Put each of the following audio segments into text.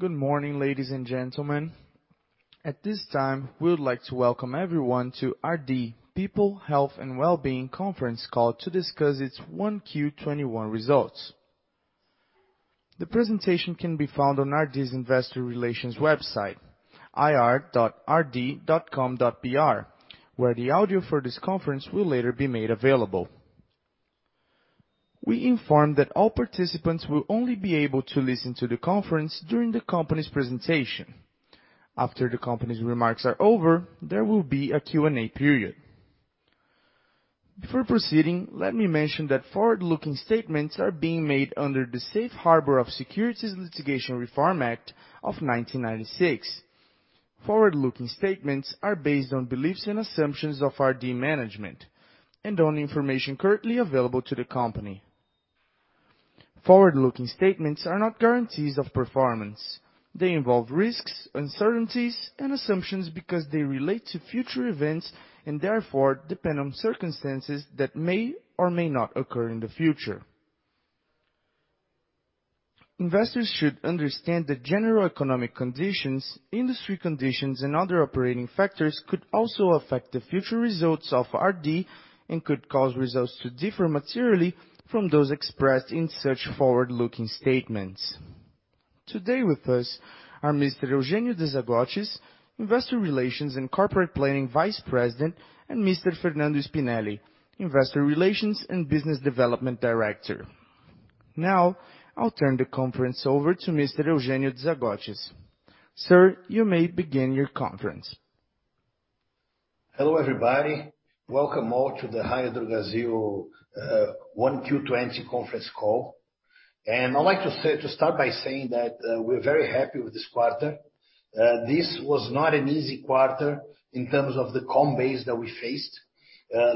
Good morning, ladies and gentlemen. At this time, we would like to welcome everyone to RD People, Health, and Wellbeing Conference Call to discuss its 1Q21 results. The presentation can be found on RD's Investor Relations website, ir.rd.com.br, where the audio for this conference will later be made available. We inform that all participants will only be able to listen to the conference during the company's presentation. After the company's remarks are over, there will be a Q&A period. Before proceeding, let me mention that forward-looking statements are being made under the Safe Harbor of Private Securities Litigation Reform Act of 1995. Forward-looking statements are based on beliefs and assumptions of RD management and on the information currently available to the company. Forward-looking statements are not guarantees of performance. They involve risks, uncertainties, and assumptions because they relate to future events and therefore depend on circumstances that may or may not occur in the future. Investors should understand that general economic conditions, industry conditions, and other operating factors could also affect the future results of RD and could cause results to differ materially from those expressed in such forward-looking statements. Today with us are Mr. Eugênio De Zagottis, Investor Relations and Corporate Planning Vice President, and Mr. Fernando Spinelli, Investor Relations and Business Development Director. I'll turn the conference over to Mr. Eugênio De Zagottis. Sir, you may begin your conference. Hello, everybody. Welcome all to the Raia Drogasil 1Q20 conference call. I'd like to start by saying that we're very happy with this quarter. This was not an easy quarter in terms of the comp base that we faced.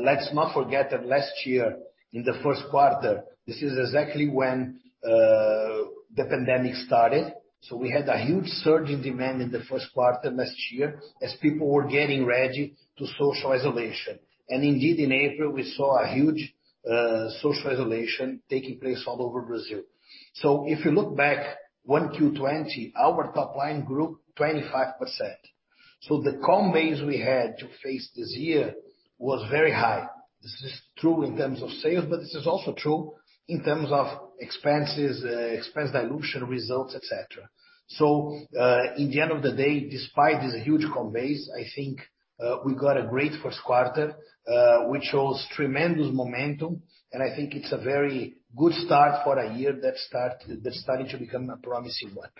Let's not forget that last year in the first quarter, this is exactly when the pandemic started. We had a huge surge in demand in the first quarter last year as people were getting ready to social isolation. Indeed, in April, we saw a huge social isolation taking place all over Brazil. If you look back 1Q20, our top line grew 25%. The comp base we had to face this year was very high. This is true in terms of sales, but this is also true in terms of expenses, expense dilution results, et cetera. In the end of the day, despite this huge comp base, I think we got a great first quarter, which shows tremendous momentum, and I think it's a very good start for a year that's starting to become a promising one.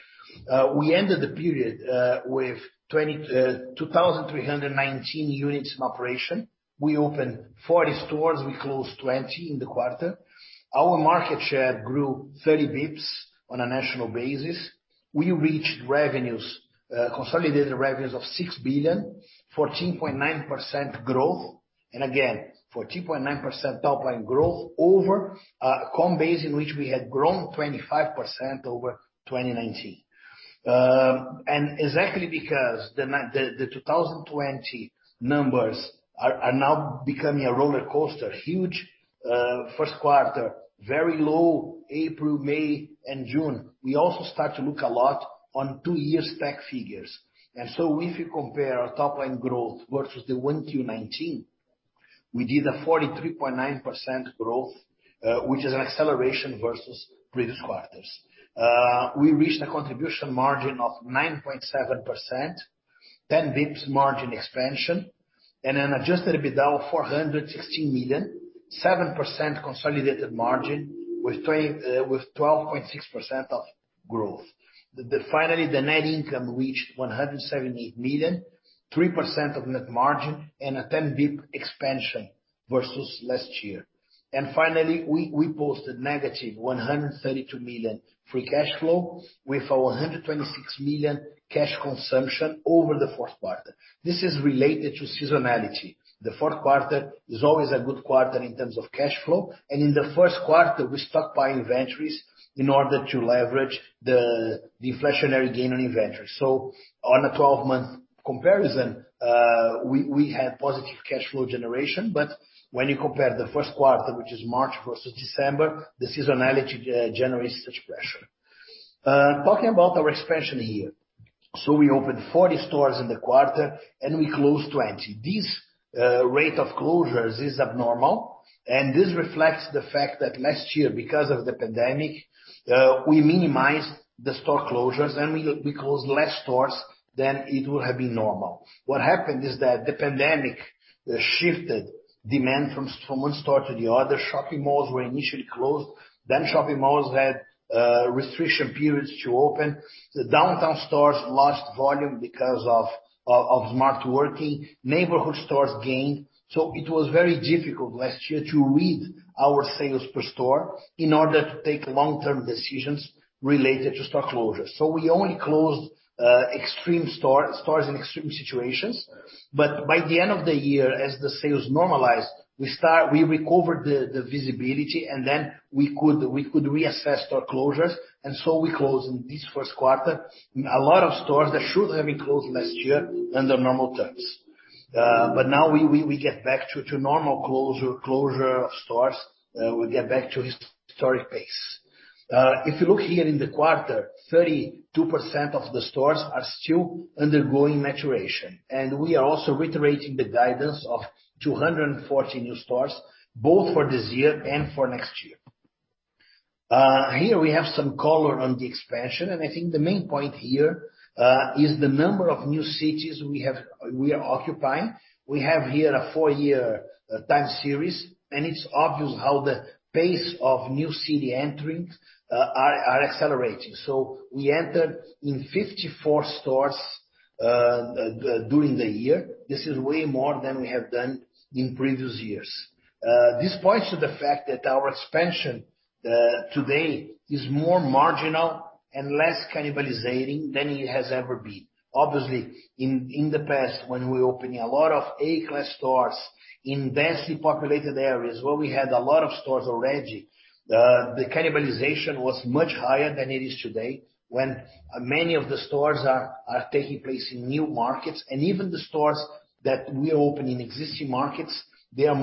We ended the period with 2,319 units in operation. We opened 40 stores, we closed 20 in the quarter. Our market share grew 30 basis points on a national basis. We reached consolidated revenues of 6 billion, 14.9% growth. Again, 14.9% top-line growth over a comp base in which we had grown 25% over 2019. Exactly because the 2020 numbers are now becoming a roller coaster, huge first quarter, very low April, May, and June. We also start to look a lot on two years' stack figures. If you compare our top-line growth versus the 1Q19, we did a 43.9% growth, which is an acceleration versus previous quarters. We reached a contribution margin of 9.7%, 10 basis points margin expansion, and an adjusted EBITDA of 416 million, 7% consolidated margin with 12.6% of growth. Finally, the net income reached 178 million, 3% of net margin, and a 10 basis point expansion versus last year. Finally, we posted negative 132 million free cash flow with our 126 million cash consumption over the fourth quarter. This is related to seasonality. The fourth quarter is always a good quarter in terms of cash flow, and in the first quarter, we stockpiled inventories in order to leverage the inflationary gain on inventory. On a 12-month comparison, we had positive cash flow generation, but when you compare the first quarter, which is March versus December, the seasonality generates such pressure. Talking about our expansion here. We opened 40 stores in the quarter and we closed 20. This rate of closures is abnormal, and this reflects the fact that last year, because of the pandemic, we minimized the store closures and we closed less stores than it would have been normal. What happened is that the pandemic shifted demand from one store to the other. Shopping malls were initially closed, then shopping malls had restriction periods to open. The downtown stores lost volume because of smart working. Neighborhood stores gained. It was very difficult last year to read our sales per store in order to take long-term decisions related to store closures. We only closed stores in extreme situations. By the end of the year, as the sales normalized, we recovered the visibility, and then we could reassess store closures. We closed in this first quarter a lot of stores that should have been closed last year under normal terms. We get back to normal closure of stores. We get back to historic pace. If you look here in the quarter, 32% of the stores are still undergoing maturation, and we are also reiterating the guidance of 240 new stores both for this year and for next year. Here we have some color on the expansion, and I think the main point here is the number of new cities we are occupying. We have here a four-year time series, and it's obvious how the pace of new city entering are accelerating. We entered in 54 stores during the year. This is way more than we have done in previous years. This points to the fact that our expansion today is more marginal and less cannibalizing than it has ever been. Obviously, in the past, when we're opening a lot of A-class stores in densely populated areas where we had a lot of stores already, the cannibalization was much higher than it is today, when many of the stores are taking place in new markets. Even the stores that we open in existing markets, they'll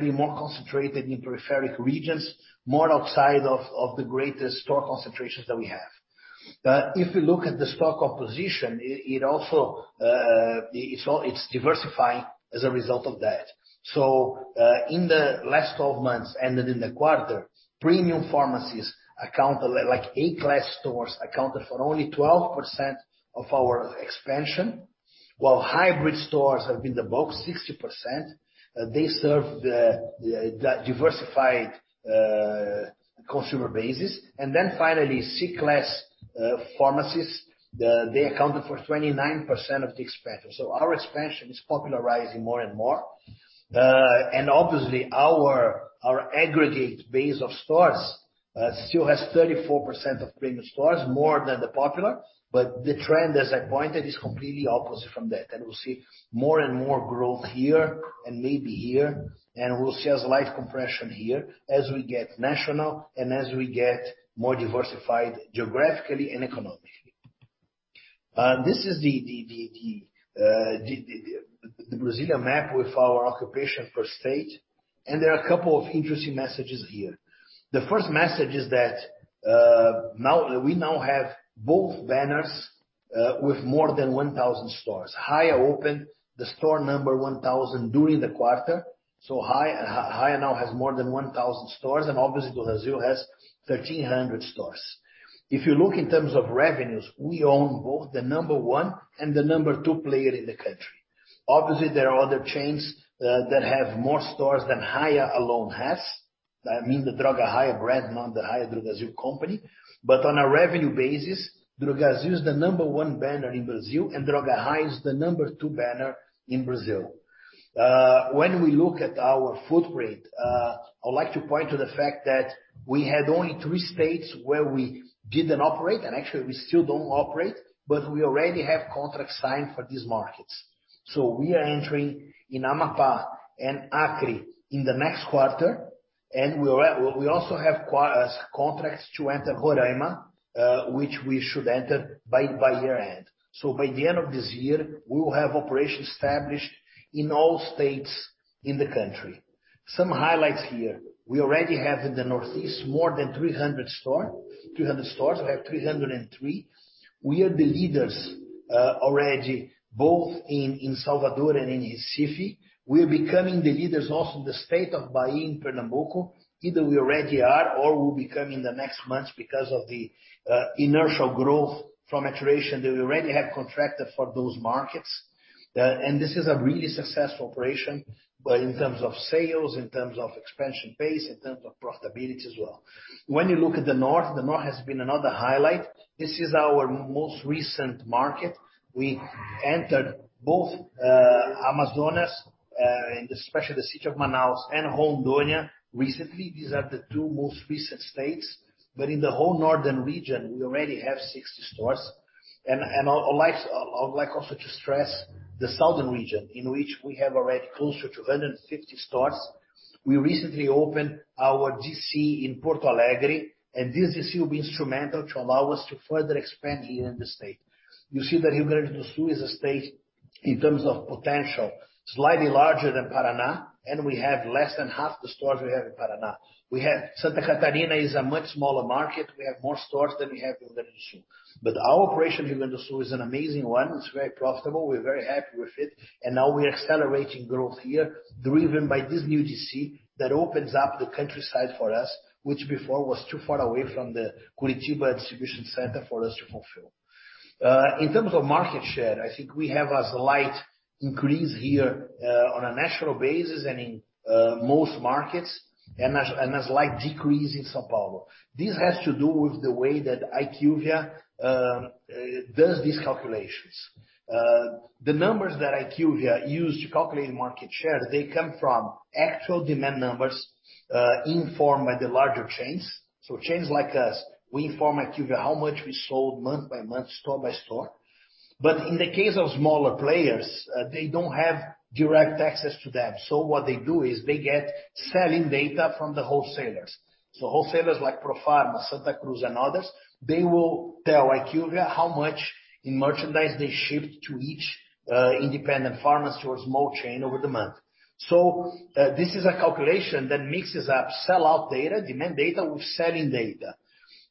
be more concentrated in peripheric regions, more outside of the greatest store concentrations that we have. If you look at the store composition, it's diversifying as a result of that. In the last 12 months and in the quarter, premium pharmacies account, like A-class stores, accounted for only 12% of our expansion, while hybrid stores have been the bulk, 60%. They serve the diversified consumer bases. Finally, C-class pharmacies, they accounted for 29% of the expansion. Our expansion is popularizing more and more. Obviously, our aggregate base of stores still has 34% of premium stores, more than the popular. The trend, as I pointed, is completely opposite from that. We'll see more and more growth here and maybe here, and we'll see a slight compression here as we get national and as we get more diversified geographically and economically. This is the Brazilian map with our occupation per state, and there are a couple of interesting messages here. The first message is that we now have both banners with more than 1,000 stores. Raia opened the store number 1,000 during the quarter, so Raia now has more than 1,000 stores, and obviously Drogasil has 1,300 stores. If you look in terms of revenues, we own both the number one and the number two player in the country. Obviously, there are other chains that have more stores than Raia alone has. I mean, the Droga Raia brand, not the Raia Drogasil company. On a revenue basis, Drogasil is the number one banner in Brazil, and Droga Raia is the number two banner in Brazil. When we look at our footprint, I would like to point to the fact that we had only three states where we didn't operate, and actually we still don't operate, but we already have contracts signed for these markets. We are entering in Amapá and Acre in the next quarter, and we also have contracts to enter Roraima, which we should enter by year-end. By the end of this year, we will have operations established in all states in the country. Some highlights here. We already have in the Northeast more than 300 stores. We have 303. We are the leaders already both in Salvador and in Recife. We are becoming the leaders also in the state of Bahia and Pernambuco. Either we already are or will become in the next months because of the inertial growth from maturation that we already have contracted for those markets. This is a really successful operation in terms of sales, in terms of expansion base, in terms of profitability as well. When you look at the North, the North has been another highlight. This is our most recent market. We entered both Amazonas, and especially the city of Manaus and Rondônia recently. These are the two most recent states. In the whole northern region, we already have 60 stores. I would like also to stress the southern region, in which we have already closer to 150 stores. We recently opened our DC in Porto Alegre, and this DC will be instrumental to allow us to further expand here in the state. You see that Rio Grande do Sul is a state in terms of potential, slightly larger than Paraná, and we have less than half the stores we have in Paraná. Santa Catarina is a much smaller market. We have more stores than we have in Rio Grande do Sul. Our operation in Rio Grande do Sul is an amazing one. It's very profitable. We're very happy with it. Now we are accelerating growth here, driven by this new DC that opens up the countryside for us, which before was too far away from the Curitiba distribution center for us to fulfill. In terms of market share, I think we have a slight increase here on a national basis and in most markets, and a slight decrease in São Paulo. This has to do with the way that IQVIA does these calculations. The numbers that IQVIA use to calculate market share, they come from actual demand numbers informed by the larger chains. Chains like us, we inform IQVIA how much we sold month by month, store by store. But in the case of smaller players, they don't have direct access to that. What they do is they get sell-in data from the wholesalers. Wholesalers like Profarma, Santa Cruz and others, they will tell IQVIA how much in merchandise they shipped to each independent pharmacy or small chain over the month. This is a calculation that mixes up sell-out data, demand data with sell-in data.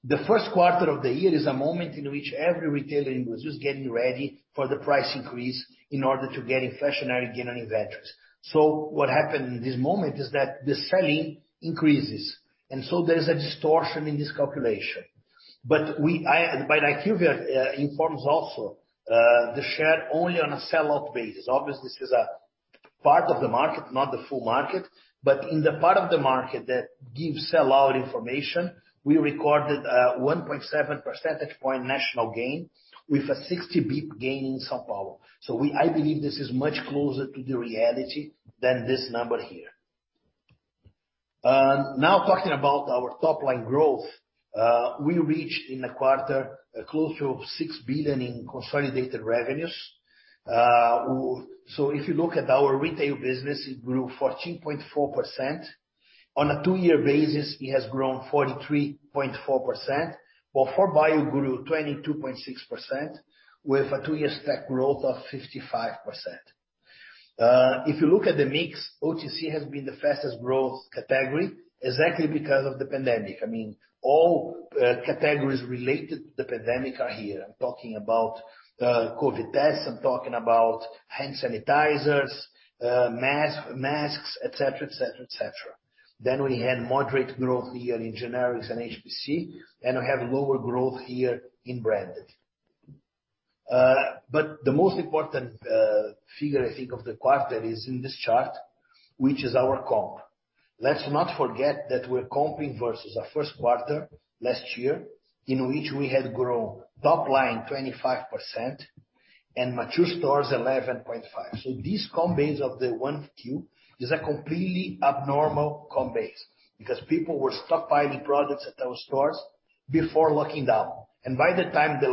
The first quarter of the year is a moment in which every retailer in Brazil is getting ready for the price increase in order to get inflationary gain on inventories. What happened in this moment is that the selling increases, and so there is a distortion in this calculation. IQVIA informs also, the share only on a sell-out basis. Obviously, this is a part of the market, not the full market. In the part of the market that gives sell-out information, we recorded a 1.7 percentage point national gain with a 60-BP gain in São Paulo. I believe this is much closer to the reality than this number here. Talking about our top-line growth. We reached in a quarter close to 6 billion in consolidated revenues. If you look at our retail business, it grew 14.4%. On a two-year basis, it has grown 43.4%, while 4Bio grew 22.6% with a two-year stack growth of 55%. If you look at the mix, OTC has been the fastest growth category exactly because of the pandemic. All categories related to the pandemic are here. I'm talking about COVID tests, I'm talking about hand sanitizers, masks, et cetera. We had moderate growth here in generics and HPC, and we have lower growth here in branded. The most important figure, I think of the quarter is in this chart, which is our comp. Let's not forget that we're comping versus a first quarter last year, in which we had grown top line 25% and mature stores 11.5%. These comp base of the 1Q is a completely abnormal comp base because people were stockpiling products at our stores before locking down. By the time they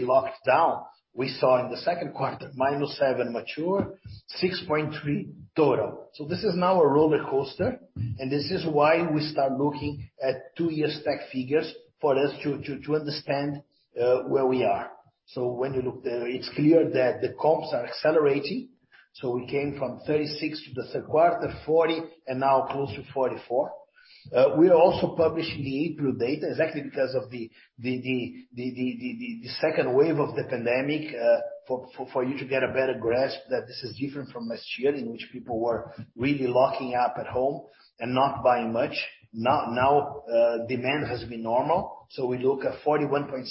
locked down, we saw in the second quarter, -7% mature, 6.3% total. This is now a roller coaster, and this is why we start looking at two-year stack figures for us to understand where we are. When you look there, it's clear that the comps are accelerating. We came from 36% to the third quarter, 40%, and now close to 44%. We are also publishing the April data exactly because of the second wave of the pandemic, for you to get a better grasp that this is different from last year in which people were really locking up at home and not buying much. Demand has been normal. We look at 41.6%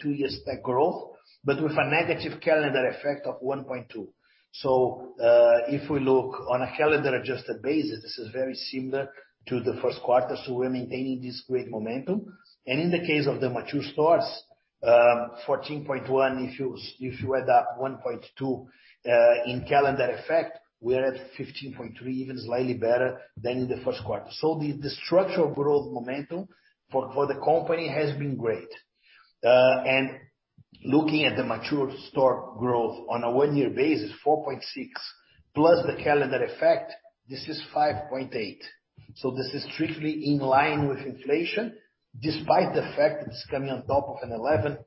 two-year stack growth, but with a negative calendar effect of 1.2. If we look on a calendar-adjusted basis, this is very similar to the first quarter. We're maintaining this great momentum. In the case of the mature stores, 14.1, if you add that 1.2, in calendar effect, we are at 15.3, even slightly better than in the first quarter. The structural growth momentum for the company has been great. Looking at the mature store growth on a one-year basis, 4.6 plus the calendar effect, this is 5.8. This is strictly in line with inflation, despite the fact that it's coming on top of an 11.5%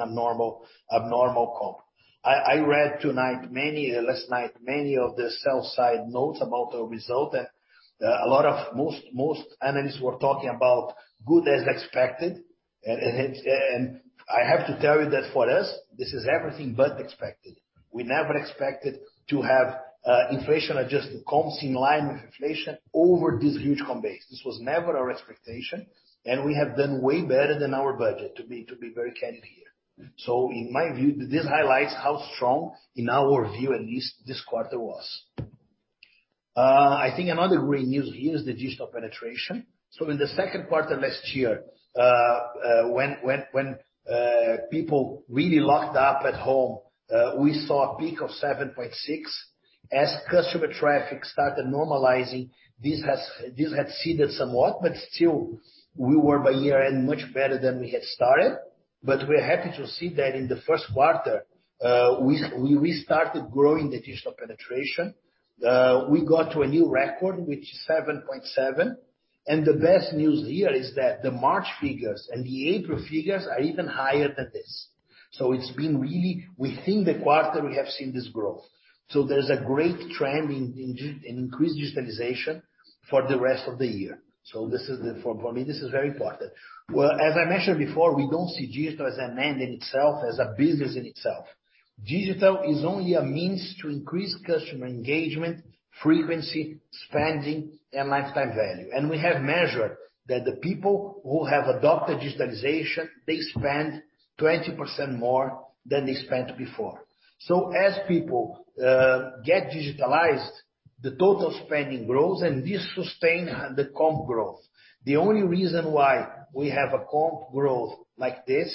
abnormal comp. I read last night many of the sell-side notes about our result, and most analysts were talking about good as expected. I have to tell you that for us, this is everything but expected. We never expected to have inflation-adjusted comps in line with inflation over this huge comp base. This was never our expectation, and we have done way better than our budget to be very candid here. In my view, this highlights how strong, in our view at least, this quarter was. I think another great news here is the digital penetration. In the second quarter last year, when people really locked up at home, we saw a peak of 7.6. Customer traffic started normalizing, this had receded somewhat, but still, we were by year-end much better than we had started. We're happy to see that in the first quarter, we started growing the digital penetration. We got to a new record, which is 7.7, and the best news here is that the March figures and the April figures are even higher than this. It's been really within the quarter we have seen this growth. There's a great trend in increased digitalization for the rest of the year. For me, this is very important. I mentioned before, we don't see digital as an end in itself, as a business in itself. Digital is only a means to increase customer engagement, frequency, spending and lifetime value. We have measured that the people who have adopted digitalization, they spend 20% more than they spent before. As people get digitalized, the total spending grows and this sustains the comp growth. The only reason why we have a comp growth like this,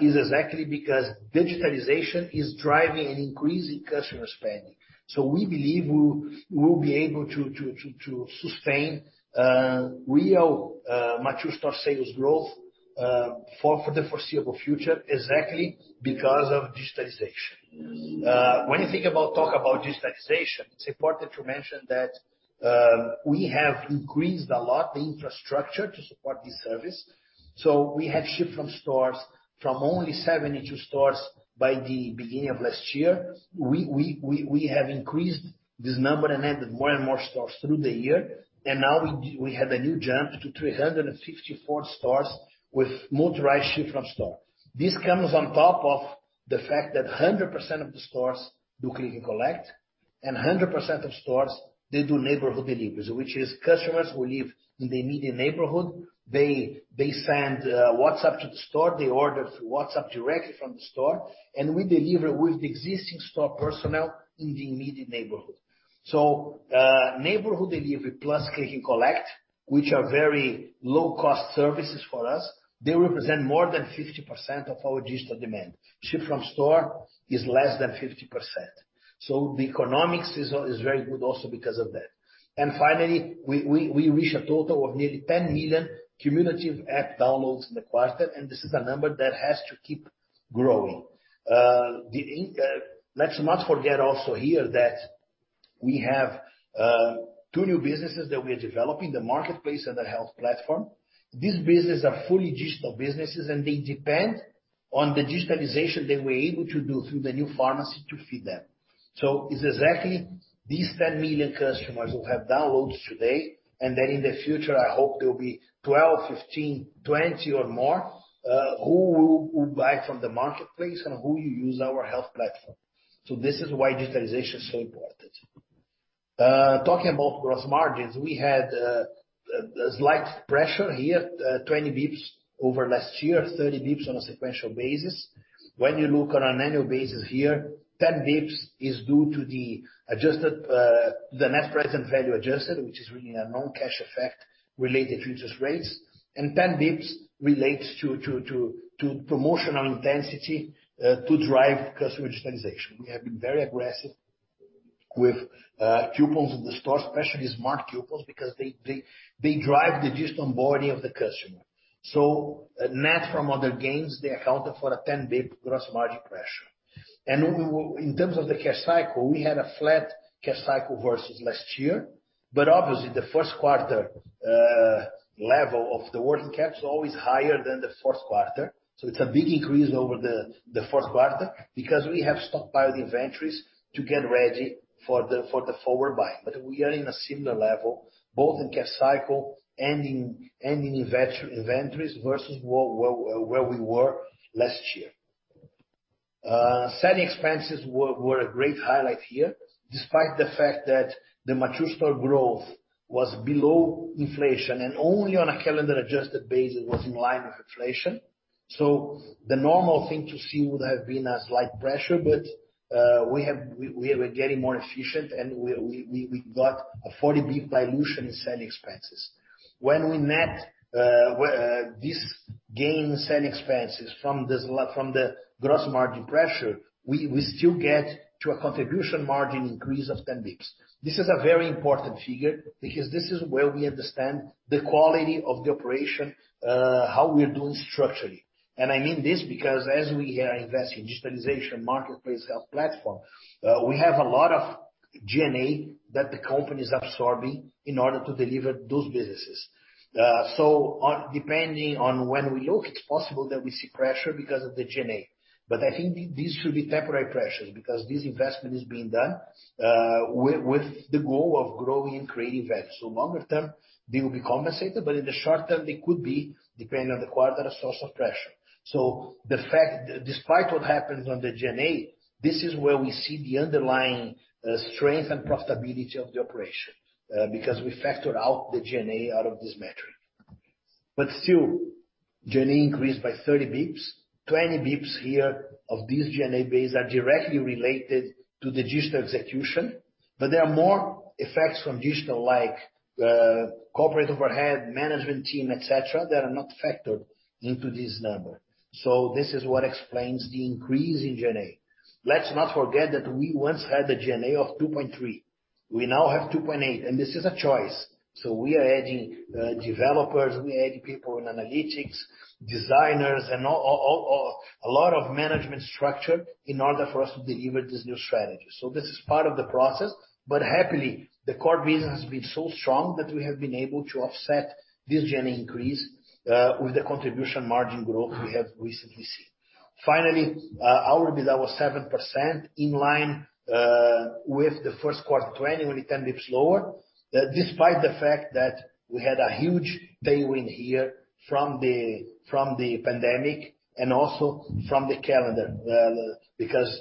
is exactly because digitalization is driving an increase in customer spending. We believe we will be able to sustain real mature store sales growth for the foreseeable future, exactly because of digitalization. When you think about digitalization, it's important to mention that we have increased a lot the infrastructure to support this service. We have ship from stores from only 72 stores by the beginning of last year. We have increased this number and added more and more stores through the year, and now we have a new jump to 354 stores with motorized ship from store. This comes on top of the fact that 100% of the stores do click and collect, and 100% of stores, they do neighborhood deliveries, which is customers who live in the immediate neighborhood. They send WhatsApp to the store, they order through WhatsApp directly from the store, and we deliver with the existing store personnel in the immediate neighborhood. Neighborhood delivery plus click and collect, which are very low-cost services for us, they represent more than 50% of our digital demand. Ship from store is less than 50%. The economics is very good also because of that. Finally, we reach a total of nearly 10 million cumulative app downloads in the quarter, and this is a number that has to keep growing. Let's not forget also here that we have two new businesses that we are developing, the marketplace and the health platform. These business are fully digital businesses. They depend on the digitalization that we're able to do through the new pharmacy to feed them. It's exactly these 10 million customers who have downloads today. In the future, I hope there will be 12, 15, 20 or more, who will buy from the marketplace and who will use our health platform. This is why digitalization is so important. Talking about gross margins, we had a slight pressure here, 20 basis points over last year, 30 basis points on a sequential basis. When you look on an annual basis here, 10 basis points is due to the net present value adjusted, which is really a non-cash effect related to interest rates. 10 basis points relates to promotional intensity to drive customer digitalization. We have been very aggressive with coupons in the store, especially smart coupons, because they drive the digital onboarding of the customer. Net from other gains, they accounted for a 10 basis point gross margin pressure. In terms of the cash cycle, we had a flat cash cycle versus last year. Obviously the first quarter level of the working capital is always higher than the fourth quarter. It's a big increase over the fourth quarter because we have stockpiled inventories to get ready for the forward buying. We are in a similar level, both in cash cycle and in inventories versus where we were last year. Selling expenses were a great highlight here, despite the fact that the mature store growth was below inflation and only on a calendar adjusted basis was in line with inflation. The normal thing to see would have been a slight pressure, but we are getting more efficient and we got a 40 basis point dilution in selling expenses. When we net this gain selling expenses from the gross margin pressure, we still get to a contribution margin increase of 10 basis points. This is a very important figure because this is where we understand the quality of the operation, how we are doing structurally. I mean this because as we are investing in digitalization, marketplace, health platform, we have a lot of G&A that the company is absorbing in order to deliver those businesses. Depending on when we look, it's possible that we see pressure because of the G&A. I think these should be temporary pressures because this investment is being done with the goal of growing and creating value. Longer term, they will be compensated, but in the short term, they could be, depending on the quarter, a source of pressure. Despite what happens on the G&A, this is where we see the underlying strength and profitability of the operation because we factor out the G&A out of this metric. Still, G&A increased by 30 basis points. 20 basis points here of this G&A base are directly related to the digital execution, but there are more effects from digital, like corporate overhead, management team, et cetera, that are not factored into this number. This is what explains the increase in G&A. Let's not forget that we once had a G&A of 2.3. We now have 2.8, and this is a choice. We are adding developers, we are adding people in analytics, designers, and a lot of management structure in order for us to deliver this new strategy. This is part of the process, but happily, the core business has been so strong that we have been able to offset this G&A increase with the contribution margin growth we have recently seen. Finally, our EBITDA was 7% in line with the first quarter 2020, only 10 basis points lower. Despite the fact that we had a huge tailwind here from the pandemic and also from the calendar, because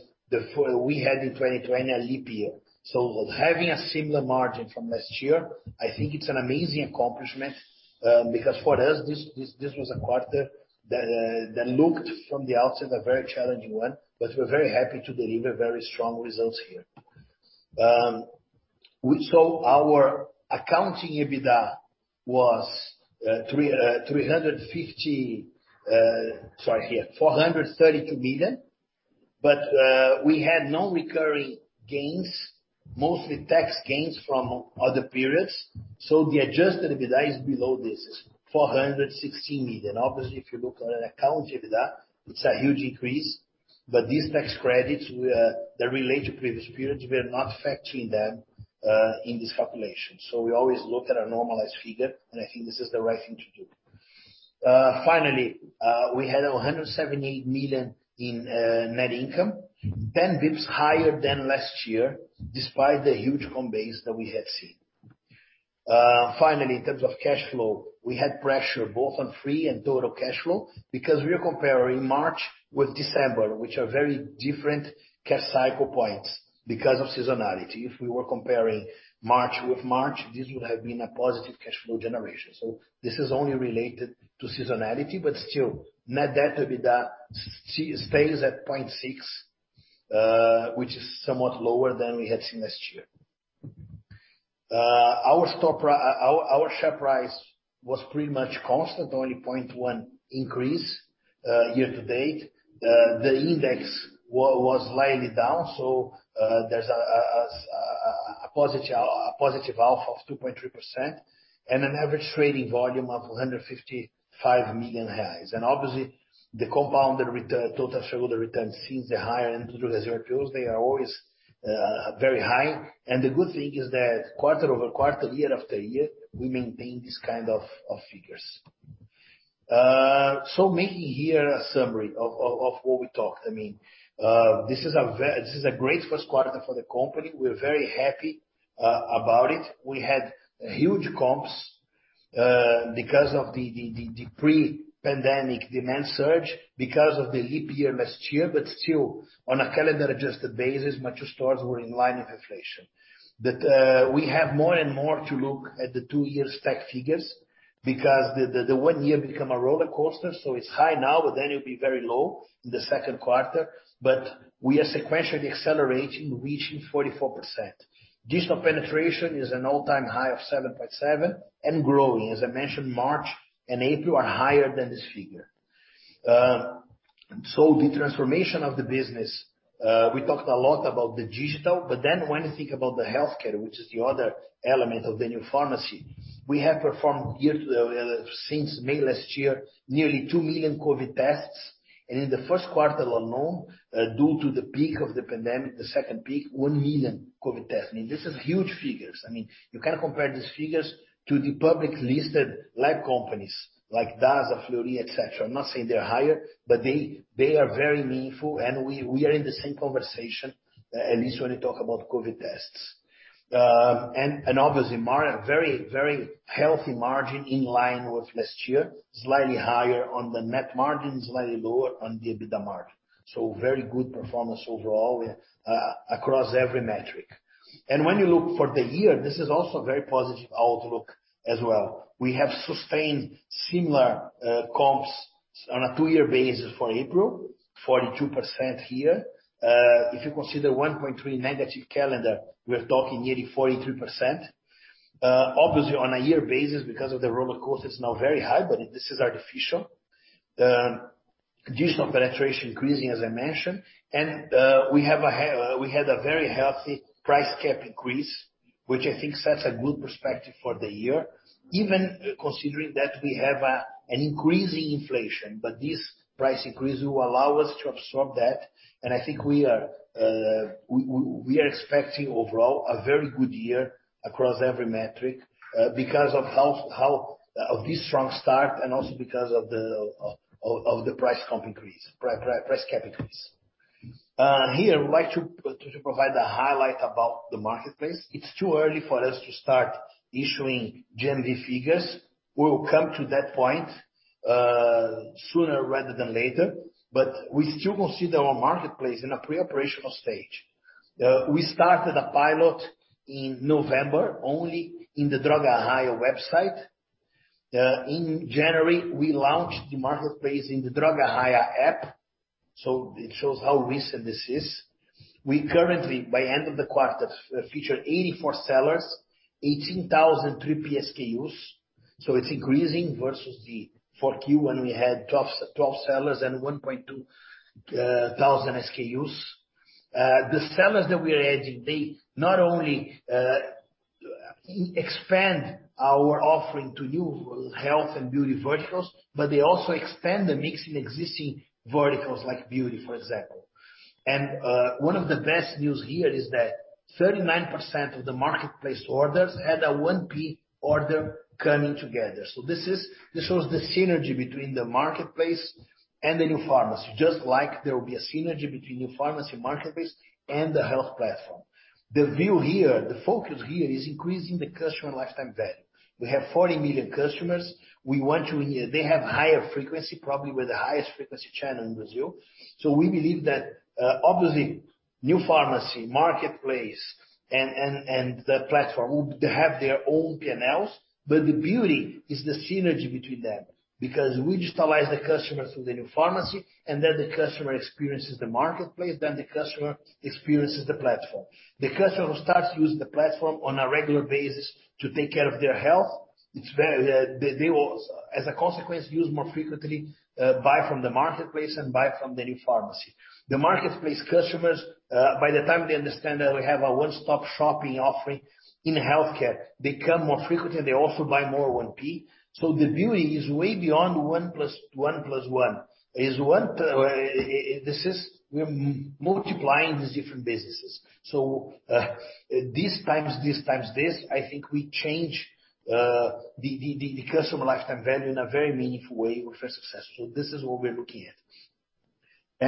we had in 2020 a leap year. Having a similar margin from last year, I think it's an amazing accomplishment, because for us, this was a quarter that looked from the outside a very challenging one, but we're very happy to deliver very strong results here. Our accounting EBITDA was 432 million. We had no recurring gains, mostly tax gains from other periods. The adjusted EBITDA is below this, 416 million. Obviously, if you look on an account EBITDA, it's a huge increase, but these tax credits, they're related to previous periods. We're not factoring them in this calculation. We always look at a normalized figure, and I think this is the right thing to do. Finally, we had 178 million in net income, 10 basis points higher than last year, despite the huge comp base that we had seen. Finally, in terms of cash flow, we had pressure both on free and total cash flow because we are comparing March with December, which are very different cash cycle points because of seasonality. If we were comparing March with March, this would have been a positive cash flow generation. This is only related to seasonality, but still, net debt EBITDA stays at 0.6, which is somewhat lower than we had seen last year. Our share price was pretty much constant, only 0.1 increase year-to-date. The index was slightly down, there's a positive alpha of 2.3%, and an average trading volume of 155 million reais. Obviously, the compounded return, total shareholder returns since they're higher than they are always very high. The good thing is that quarter-over-quarter, year after year, we maintain this kind of figures. Making here a summary of what we talked. This is a great first quarter for the company. We're very happy about it. We had huge comps because of the pre-pandemic demand surge because of the leap year last year, but still, on a calendar adjusted basis, mature stores were in line with inflation. We have more and more to look at the two-year stack figures because the one year become a roller coaster, it's high now, it'll be very low in the second quarter. We are sequentially accelerating, reaching 44%. Digital penetration is an all-time high of 7.7 and growing. As I mentioned, March and April are higher than this figure. The transformation of the business, we talked a lot about the digital, when you think about the healthcare, which is the other element of the new pharmacy, we have performed since May last year, nearly 2 million COVID tests. In the first quarter alone, due to the peak of the pandemic, the second peak, 1 million COVID tests. This is huge figures. You can compare these figures to the public-listed lab companies like Dasa, Fleury, et cetera. I'm not saying they're higher, but they are very meaningful, and we are in the same conversation, at least when you talk about COVID tests. Obviously, very healthy margin in line with last year, slightly higher on the net margin, slightly lower on the EBITDA margin. Very good performance overall across every metric. When you look for the year, this is also a very positive outlook as well. We have sustained similar comps on a two-year basis for April, 42% year. If you consider 1.3 negative calendar, we're talking nearly 43%. Obviously, on a year basis because of the roller coast, it's now very high, but this is artificial. Digital penetration increasing, as I mentioned. We had a very healthy price cap increase, which I think sets a good perspective for the year, even considering that we have an increasing inflation, but this price increase will allow us to absorb that. I think we are expecting overall a very good year across every metric because of this strong start and also because of the price cap increase. Here, I would like to provide a highlight about the marketplace. It's too early for us to start issuing GMV figures. We will come to that point sooner rather than later, but we still consider our marketplace in a pre-operational stage. We started a pilot in November, only in the Droga Raia website. In January, we launched the marketplace in the Droga Raia app, so it shows how recent this is. We currently, by end of the quarter, feature 84 sellers, 18,000 3P SKUs. It's increasing versus the 4Q when we had 12 sellers and 1,200 SKUs. The sellers that we're adding, they not only expand our offering to new health and beauty verticals, but they also expand the mix in existing verticals like beauty, for example. One of the best news here is that 39% of the marketplace orders had a 1P order coming together. This shows the synergy between the marketplace and the new pharmacy, just like there will be a synergy between new pharmacy marketplace and the health platform. The view here, the focus here is increasing the customer lifetime value. We have 40 million customers. They have higher frequency, probably we're the highest frequency channel in Brazil. We believe that, obviously, new pharmacy, marketplace, and the platform, they have their own P&Ls, but the beauty is the synergy between them. We digitalize the customers through the new pharmacy, and then the customer experiences the marketplace, then the customer experiences the platform. The customer who starts using the platform on a regular basis to take care of their health, they will, as a consequence, use more frequently, buy from the marketplace and buy from the new pharmacy. The marketplace customers, by the time they understand that we have a one-stop shopping offering in healthcare, they come more frequently, they also buy more 1P. The view is way beyond one plus one plus one. We're multiplying these different businesses. This times this times this, I think we change the customer lifetime value in a very meaningful way with a success. This is what we're looking at.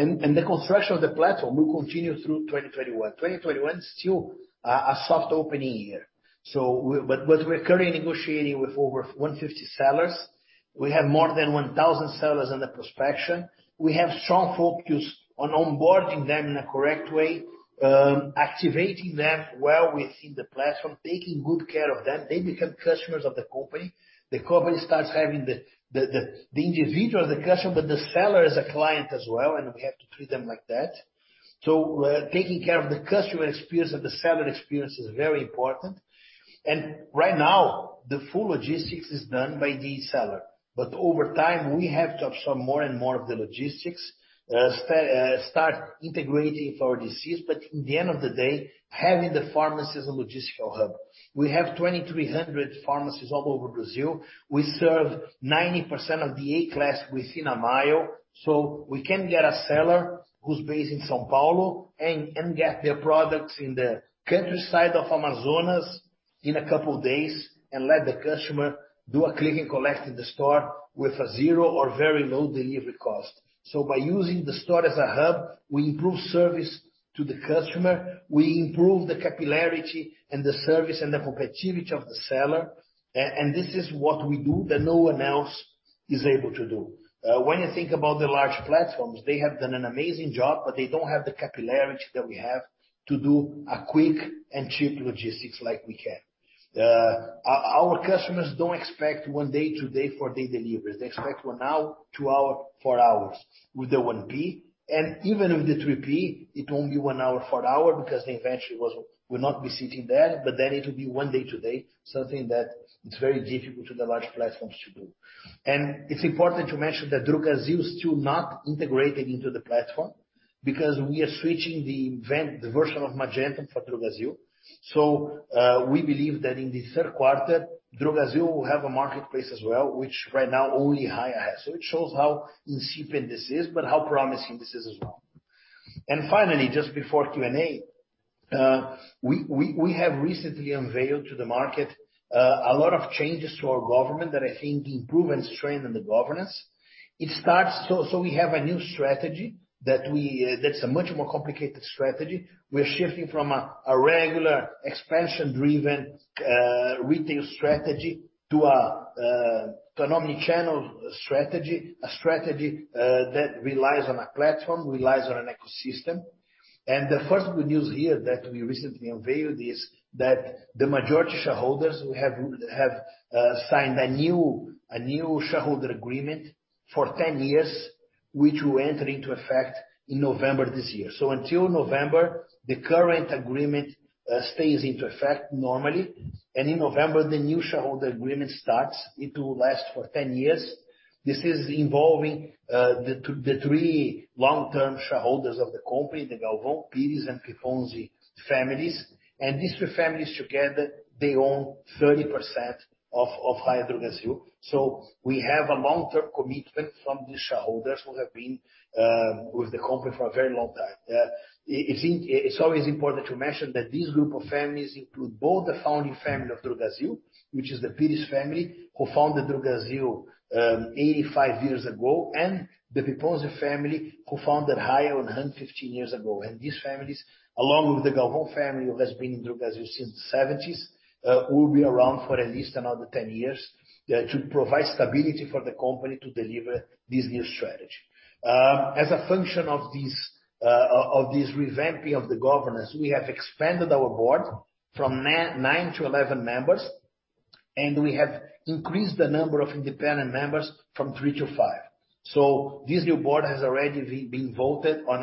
The construction of the platform will continue through 2021. 2021 is still a soft opening year. We're currently negotiating with over 150 sellers. We have more than 1,000 sellers under prospection. We have strong focus on onboarding them in a correct way, activating them well within the platform, taking good care of them. They become customers of the company. The company starts having the individual, the customer, the seller as a client as well, and we have to treat them like that. Taking care of the customer experience and the seller experience is very important. Right now, the full logistics is done by the seller. Over time, we have to absorb more and more of the logistics, start integrating for this. In the end of the day, having the pharmacy as a logistical hub. We have 2,300 pharmacies all over Brazil. We serve 90% of the A-class within a mile. We can get a seller who's based in São Paulo and get their products in the countryside of Amazonas in a couple of days and let the customer do a click and collect in the store with a zero or very low delivery cost. By using the store as a hub, we improve service to the customer, we improve the capillarity and the service and the profitability of the seller. This is what we do that no one else is able to do. When you think about the large platforms, they have done an amazing job, but they don't have the capillarity that we have to do a quick and cheap logistics like we can. Our customers don't expect one day, two day for their deliveries. They expect one hour, two hour, four hours with the 1P. Even with the 3P, it's only one hour, four hour because the inventory will not be sitting there, it will be one day, two day, something that is very difficult to the large platforms to do. It's important to mention that Drogasil is still not integrated into the platform because we are switching the version of Magento for Drogasil. We believe that in the third quarter, Drogasil will have a marketplace as well, which right now only Raia has. It shows how incipient this is, how promising this is as well. Finally, just before Q&A, we have recently unveiled to the market a lot of changes to our governance that I think improve and strengthen the governance. We have a new strategy that's a much more complicated strategy. We're shifting from a regular expansion-driven retail strategy to an omni-channel strategy, a strategy that relies on a platform, relies on an ecosystem. The first good news here that we recently unveiled is that the majority shareholders have signed a new shareholder agreement for 10 years, which will enter into effect in November this year. Until November, the current agreement stays into effect normally. In November, the new shareholder agreement starts. It will last for 10 years. This is involving the three long-term shareholders of the company, the Galvão, Pires, and Pipponzi families. These three families together, they own 30% of Raia Drogasil. We have a long-term commitment from these shareholders who have been with the company for a very long time. It's always important to mention that this group of families include both the founding family of Drogasil, which is the Pires family, who founded Drogasil 85 years ago, and the Pipponzi family, who founded Raia 115 years ago. These families, along with the Galvão family, who has been in Drogasil since the '70s, will be around for at least another 10 years to provide stability for the company to deliver this new strategy. As a function of this revamping of the governance, we have expanded our board from nine to 11 members, and we have increased the number of independent members from three to five. This new board has already been voted on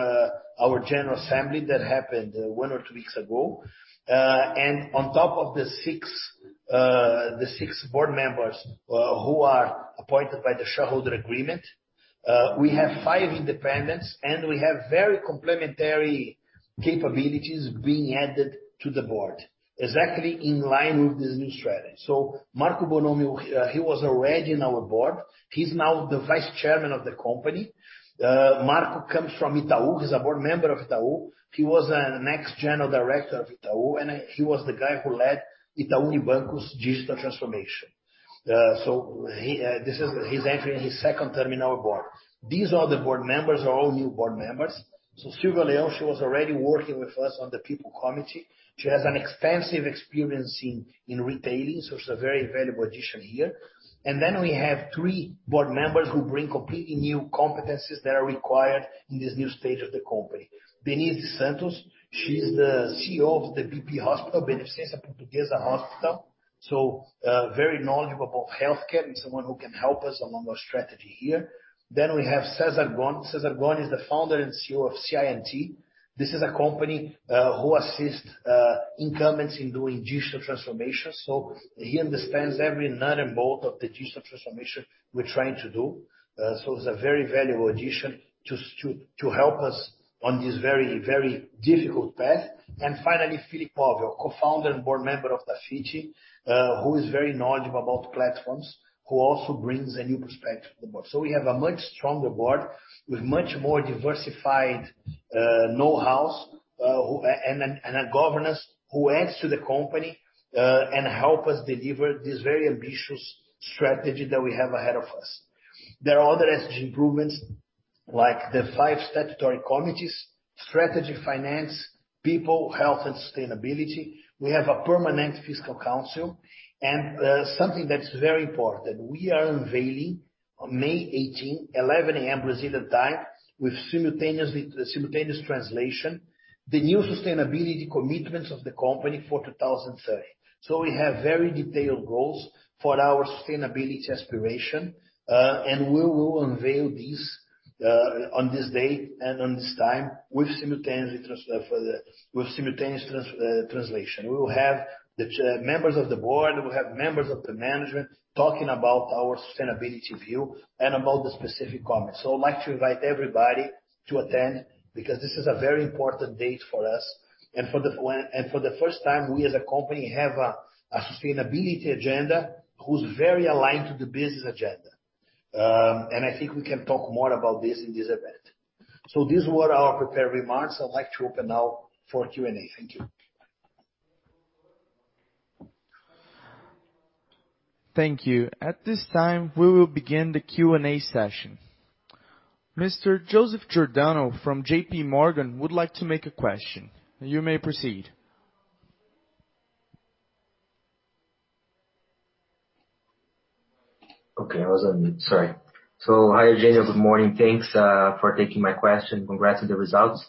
our general assembly that happened one or two weeks ago. On top of the six board members who are appointed by the shareholder agreement, we have five independents, and we have very complementary capabilities being added to the Board, exactly in line with this new strategy. Marco Bonomi, he was already in our Board. He's now the Vice Chairman of the company. Marco comes from Itaú. He's a Board member of Itaú. He was an ex-General Director of Itaú, and he was the guy who led Itaú Unibanco's digital transformation. He's entering his second term in our Board. These other board members are all new board members. Silvia Leão, she was already working with us on the People Committee. She has an extensive experience in retailing, so she's a very valuable addition here. We have three board members who bring completely new competencies that are required in this new stage of the company. Denise Santos, she's the CEO of the BP Hospital, Beneficência Portuguesa Hospital. Very knowledgeable of healthcare and someone who can help us along our strategy here. We have Cesar Gon. Cesar Gon is the Founder and CEO of CI&T. This is a company who assists incumbents in doing digital transformation. He understands every nut and bolt of the digital transformation we're trying to do. It's a very valuable addition to help us on this very, very difficult path. Finally, Philipp Povel, Co-Founder and Board Member of Dafiti, who is very knowledgeable about platforms, who also brings a new perspective to the board. We have a much stronger board with much more diversified know-hows, and a governance who adds to the company, and help us deliver this very ambitious strategy that we have ahead of us. There are other ESG improvements, like the five statutory committees, strategy, finance, people, health, and sustainability. We have a permanent fiscal council. Something that's very important, we are unveiling on May 18, 11:00 a.m. Brazilian time, with simultaneous translation, the new sustainability commitments of the company for 2030. We have very detailed goals for our sustainability aspiration, and we will unveil this on this day and on this time with simultaneous translation. We will have the members of the Board, we will have members of the Management talking about our sustainability view and about the specific comments. I would like to invite everybody to attend, because this is a very important date for us. For the first time, we as a company have a sustainability agenda that's very aligned to the business agenda. I think we can talk more about this in this event. These were our prepared remarks. I'd like to open now for Q&A. Thank you. Thank you. At this time, we will begin the Q&A session. Mr. Joseph Giordano from JP Morgan would like to make a question. You may proceed. I was on mute. Sorry. Hi Eugênio, good morning. Thanks for taking my question. Congrats on the results.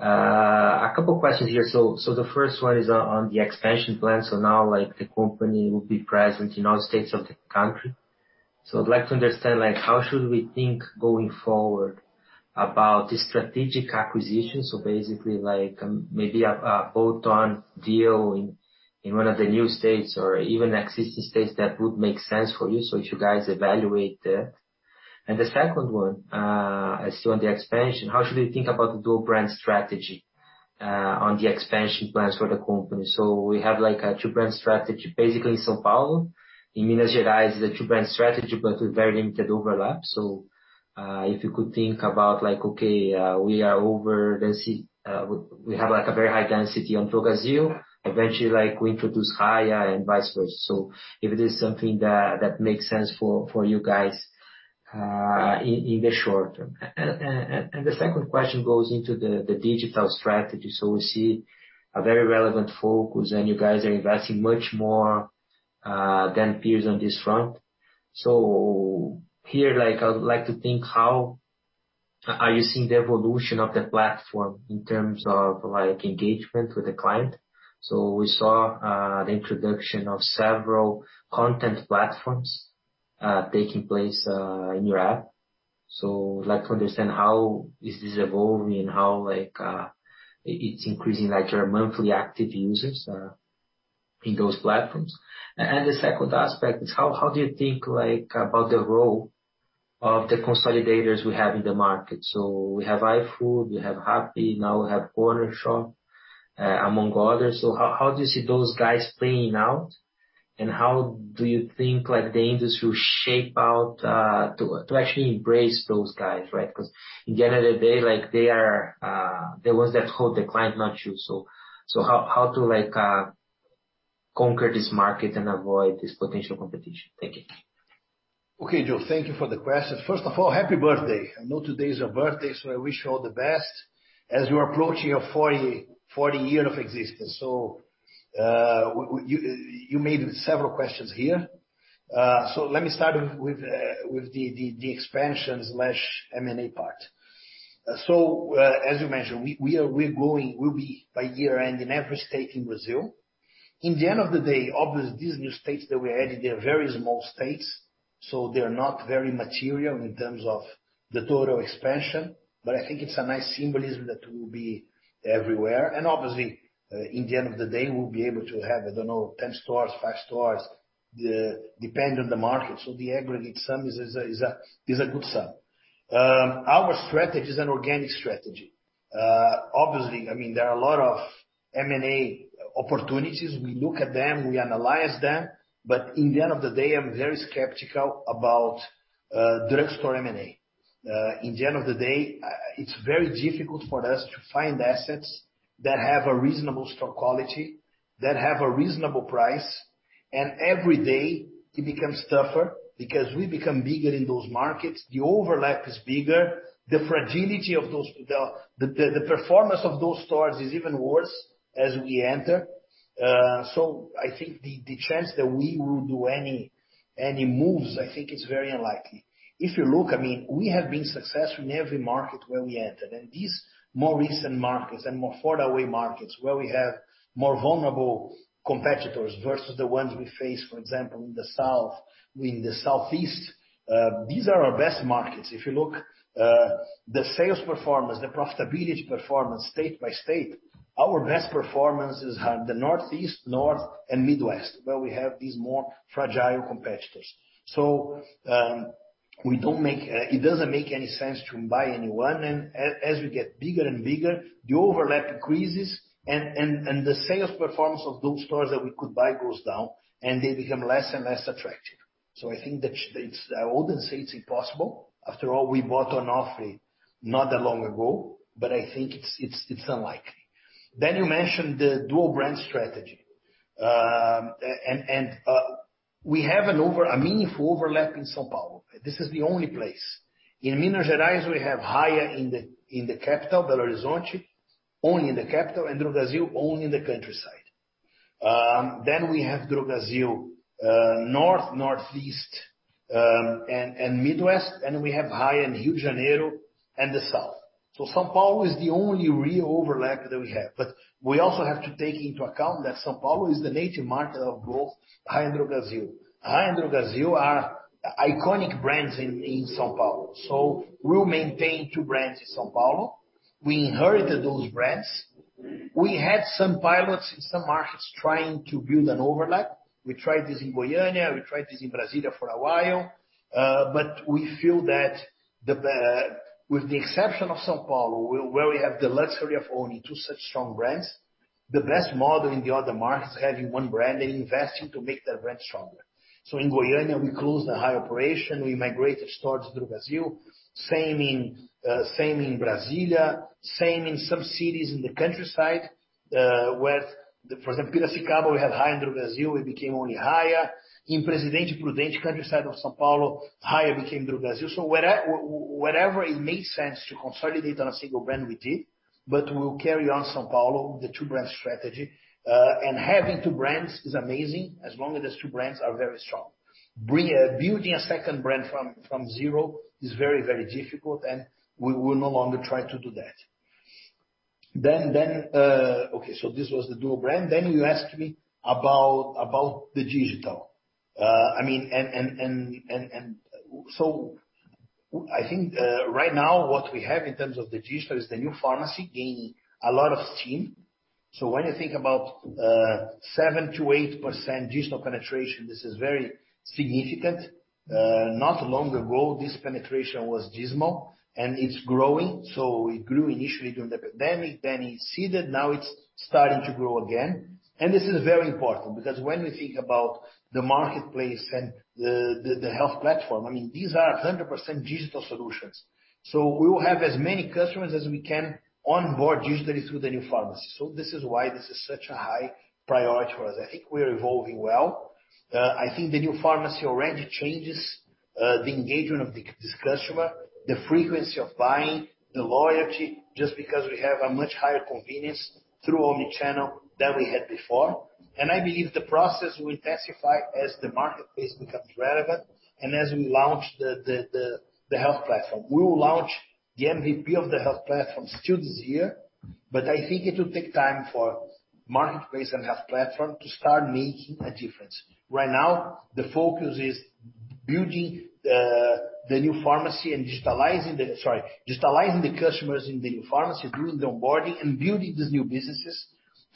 A couple questions here. The first one is on the expansion plan. Now, the company will be present in all states of the country. I'd like to understand how should we think going forward about the strategic acquisition. Basically, maybe a bolt-on deal in one of the new states or even existing states that would make sense for you. If you guys evaluate that. The second one, still on the expansion, how should we think about the dual brand strategy, on the expansion plans for the company? We have a two-brand strategy, basically in São Paulo. In Minas Gerais is a two-brand strategy with very limited overlap. If you could think about, okay, we have a very high density on Drogasil. Eventually, we introduce Raia and vice versa. If it is something that makes sense for you guys in the short term. The second question goes into the digital strategy. We see a very relevant focus and you guys are investing much more than peers on this front. Here, I would like to think, how are you seeing the evolution of the platform in terms of engagement with the client? We saw the introduction of several content platforms taking place in your app. I'd like to understand how is this evolving and how it's increasing your monthly active users in those platforms. The second aspect is how do you think about the role of the consolidators we have in the market? We have iFood, we have Rappi, now we have Cornershop, among others. How do you see those guys playing out, and how do you think the industry will shape out to actually embrace those guys, right? At the end of the day, they are the ones that hold the client, not you. How to conquer this market and avoid this potential competition? Thank you. Okay, Joe. Thank you for the question. First of all, happy birthday. I know today is your birthday, I wish you all the best as you're approaching your 40 year of existence. You made several questions here. Let me start with the expansion/M&A part. As you mentioned, we'll be by year-end in every state in Brazil. In the end of the day, obviously, these new states that we added, they are very small states, they're not very material in terms of the total expansion. I think it's a nice symbolism that we'll be everywhere. Obviously, in the end of the day, we'll be able to have, I don't know, 10 stores, five stores, depending on the market. The aggregate sum is a good sum. Our strategy is an organic strategy. Obviously, there are a lot of M&A opportunities. We look at them, we analyze them, but in the end of the day, I'm very skeptical about drugstore M&A. In the end of the day, it's very difficult for us to find assets that have a reasonable store quality, that have a reasonable price, and every day it becomes tougher because we become bigger in those markets. The overlap is bigger. The performance of those stores is even worse as we enter. I think the chance that we will do any moves, I think it's very unlikely. If you look, we have been successful in every market where we entered. These more recent markets and more further away markets where we have more vulnerable competitors versus the ones we face, for example, in the South, in the Southeast, these are our best markets. If you look, the sales performance, the profitability performance state by state, our best performances are the Northeast, North, and Midwest, where we have these more fragile competitors. It doesn't make any sense to buy anyone. As we get bigger and bigger, the overlap increases and the sales performance of those stores that we could buy goes down, and they become less and less attractive. I wouldn't say it's impossible. After all, we bought Onofre not that long ago, but I think it's unlikely. You mentioned the dual brand strategy. We have a meaningful overlap in São Paulo. This is the only place. In Minas Gerais, we have Raia in the capital, Belo Horizonte, only in the capital, and Drogasil, only in the countryside. We have Drogasil North, Northeast, and Midwest, and we have Raia in Rio de Janeiro and the South. São Paulo is the only real overlap that we have. We also have to take into account that São Paulo is the native market of both Raia and Drogasil. Raia and Drogasil are iconic brands in São Paulo. We'll maintain two brands in São Paulo. We inherited those brands. We had some pilots in some markets trying to build an overlap. We tried this in Goiânia, we tried this in Brasília for a while. We feel that, with the exception of São Paulo, where we have the luxury of owning two such strong brands, the best model in the other markets, having one brand and investing to make that brand stronger. In Goiânia, we closed the Raia operation, we migrated stores to Drogasil. Same in Brasília, same in some cities in the countryside. For example, Piracicaba, we had Raia and Drogasil, it became only Raia. In Presidente Prudente, countryside of São Paulo, Raia became Drogasil. Wherever it made sense to consolidate on a single brand, we did, but we will carry on São Paulo with the two-brand strategy. Having two brands is amazing, as long as those two brands are very strong. Building a second brand from zero is very difficult and we will no longer try to do that. Okay. This was the dual brand. You asked me about the digital. Right now what we have in terms of the digital is the new pharmacy gaining a lot of steam. When you think about 7%-8% digital penetration, this is very significant. Not long ago, this penetration was dismal and it's growing. It grew initially during the pandemic, then it receded, now it's starting to grow again. This is very important because when we think about the marketplace and the health platform, these are 100% digital solutions. We will have as many customers as we can onboard digitally through the new pharmacy. This is why this is such a high priority for us. I think we are evolving well. I think the new pharmacy already changes the engagement of this customer, the frequency of buying, the loyalty, just because we have a much higher convenience through omnichannel than we had before. I believe the process will intensify as the marketplace becomes relevant and as we launch the health platform. We will launch the MVP of the health platform still this year. I think it will take time for marketplace and health platform to start making a difference. Right now, the focus is building the new pharmacy and digitalizing the customers in the new pharmacy, doing the onboarding and building these new businesses,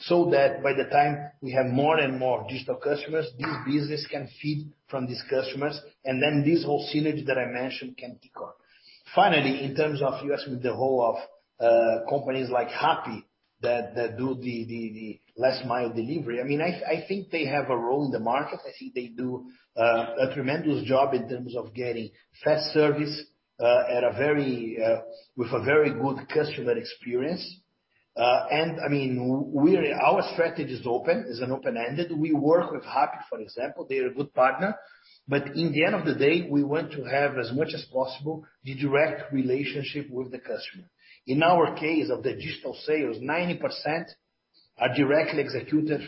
so that by the time we have more and more digital customers, this business can feed from these customers, this whole synergy that I mentioned can take off. Finally, in terms of you asking me the role of companies like Rappi, that do the last mile delivery, I think they have a role in the market. I think they do a tremendous job in terms of getting fast service with a very good customer experience. Our strategy is open-ended. We work with Rappi, for example. They're a good partner. In the end of the day, we want to have as much as possible the direct relationship with the customer. In our case of the digital sales, 90% are directly executed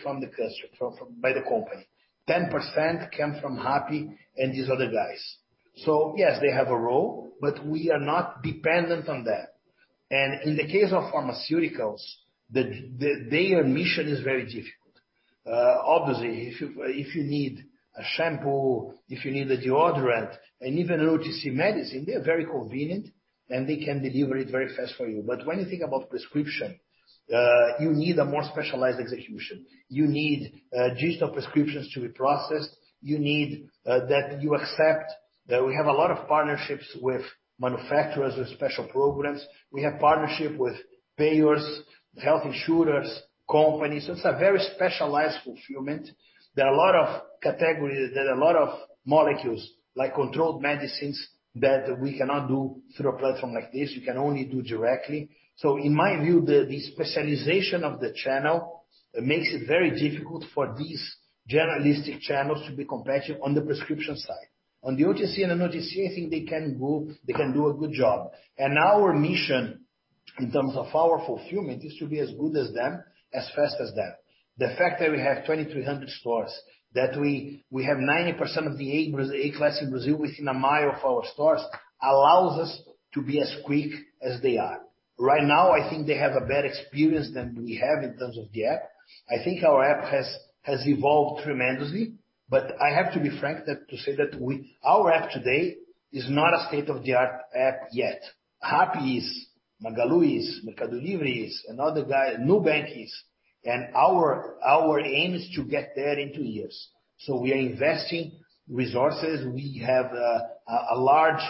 by the company. 10% come from Happy and these other guys. Yes, they have a role, but we are not dependent on them. In the case of pharmaceuticals, their mission is very difficult. Obviously, if you need a shampoo, if you need a deodorant, and even OTC medicine, they're very convenient, and they can deliver it very fast for you. When you think about prescription, you need a more specialized execution. You need digital prescriptions to be processed. You need that you accept that we have a lot of partnerships with manufacturers with special programs. We have partnership with payers, health insurers, companies. It's a very specialized fulfillment. There are a lot of categories, there are a lot of molecules, like controlled medicines that we cannot do through a platform like this, you can only do directly. In my view, the specialization of the channel makes it very difficult for these generalistic channels to be competitive on the prescription side. On the OTC and OTC, I think they can do a good job. Our mission in terms of our fulfillment is to be as good as them, as fast as them. The fact that we have 2,300 stores, that we have 90% of the A class in Brazil within a mile of our stores allows us to be as quick as they are. Right now, I think they have a better experience than we have in terms of the app. I think our app has evolved tremendously, but I have to be frank to say that our app today is not a state-of-the-art app yet. Rappi is, Magalu is, Mercado Livre is, another guy, Nubank is. Our aim is to get there in two years. We are investing resources. We have a large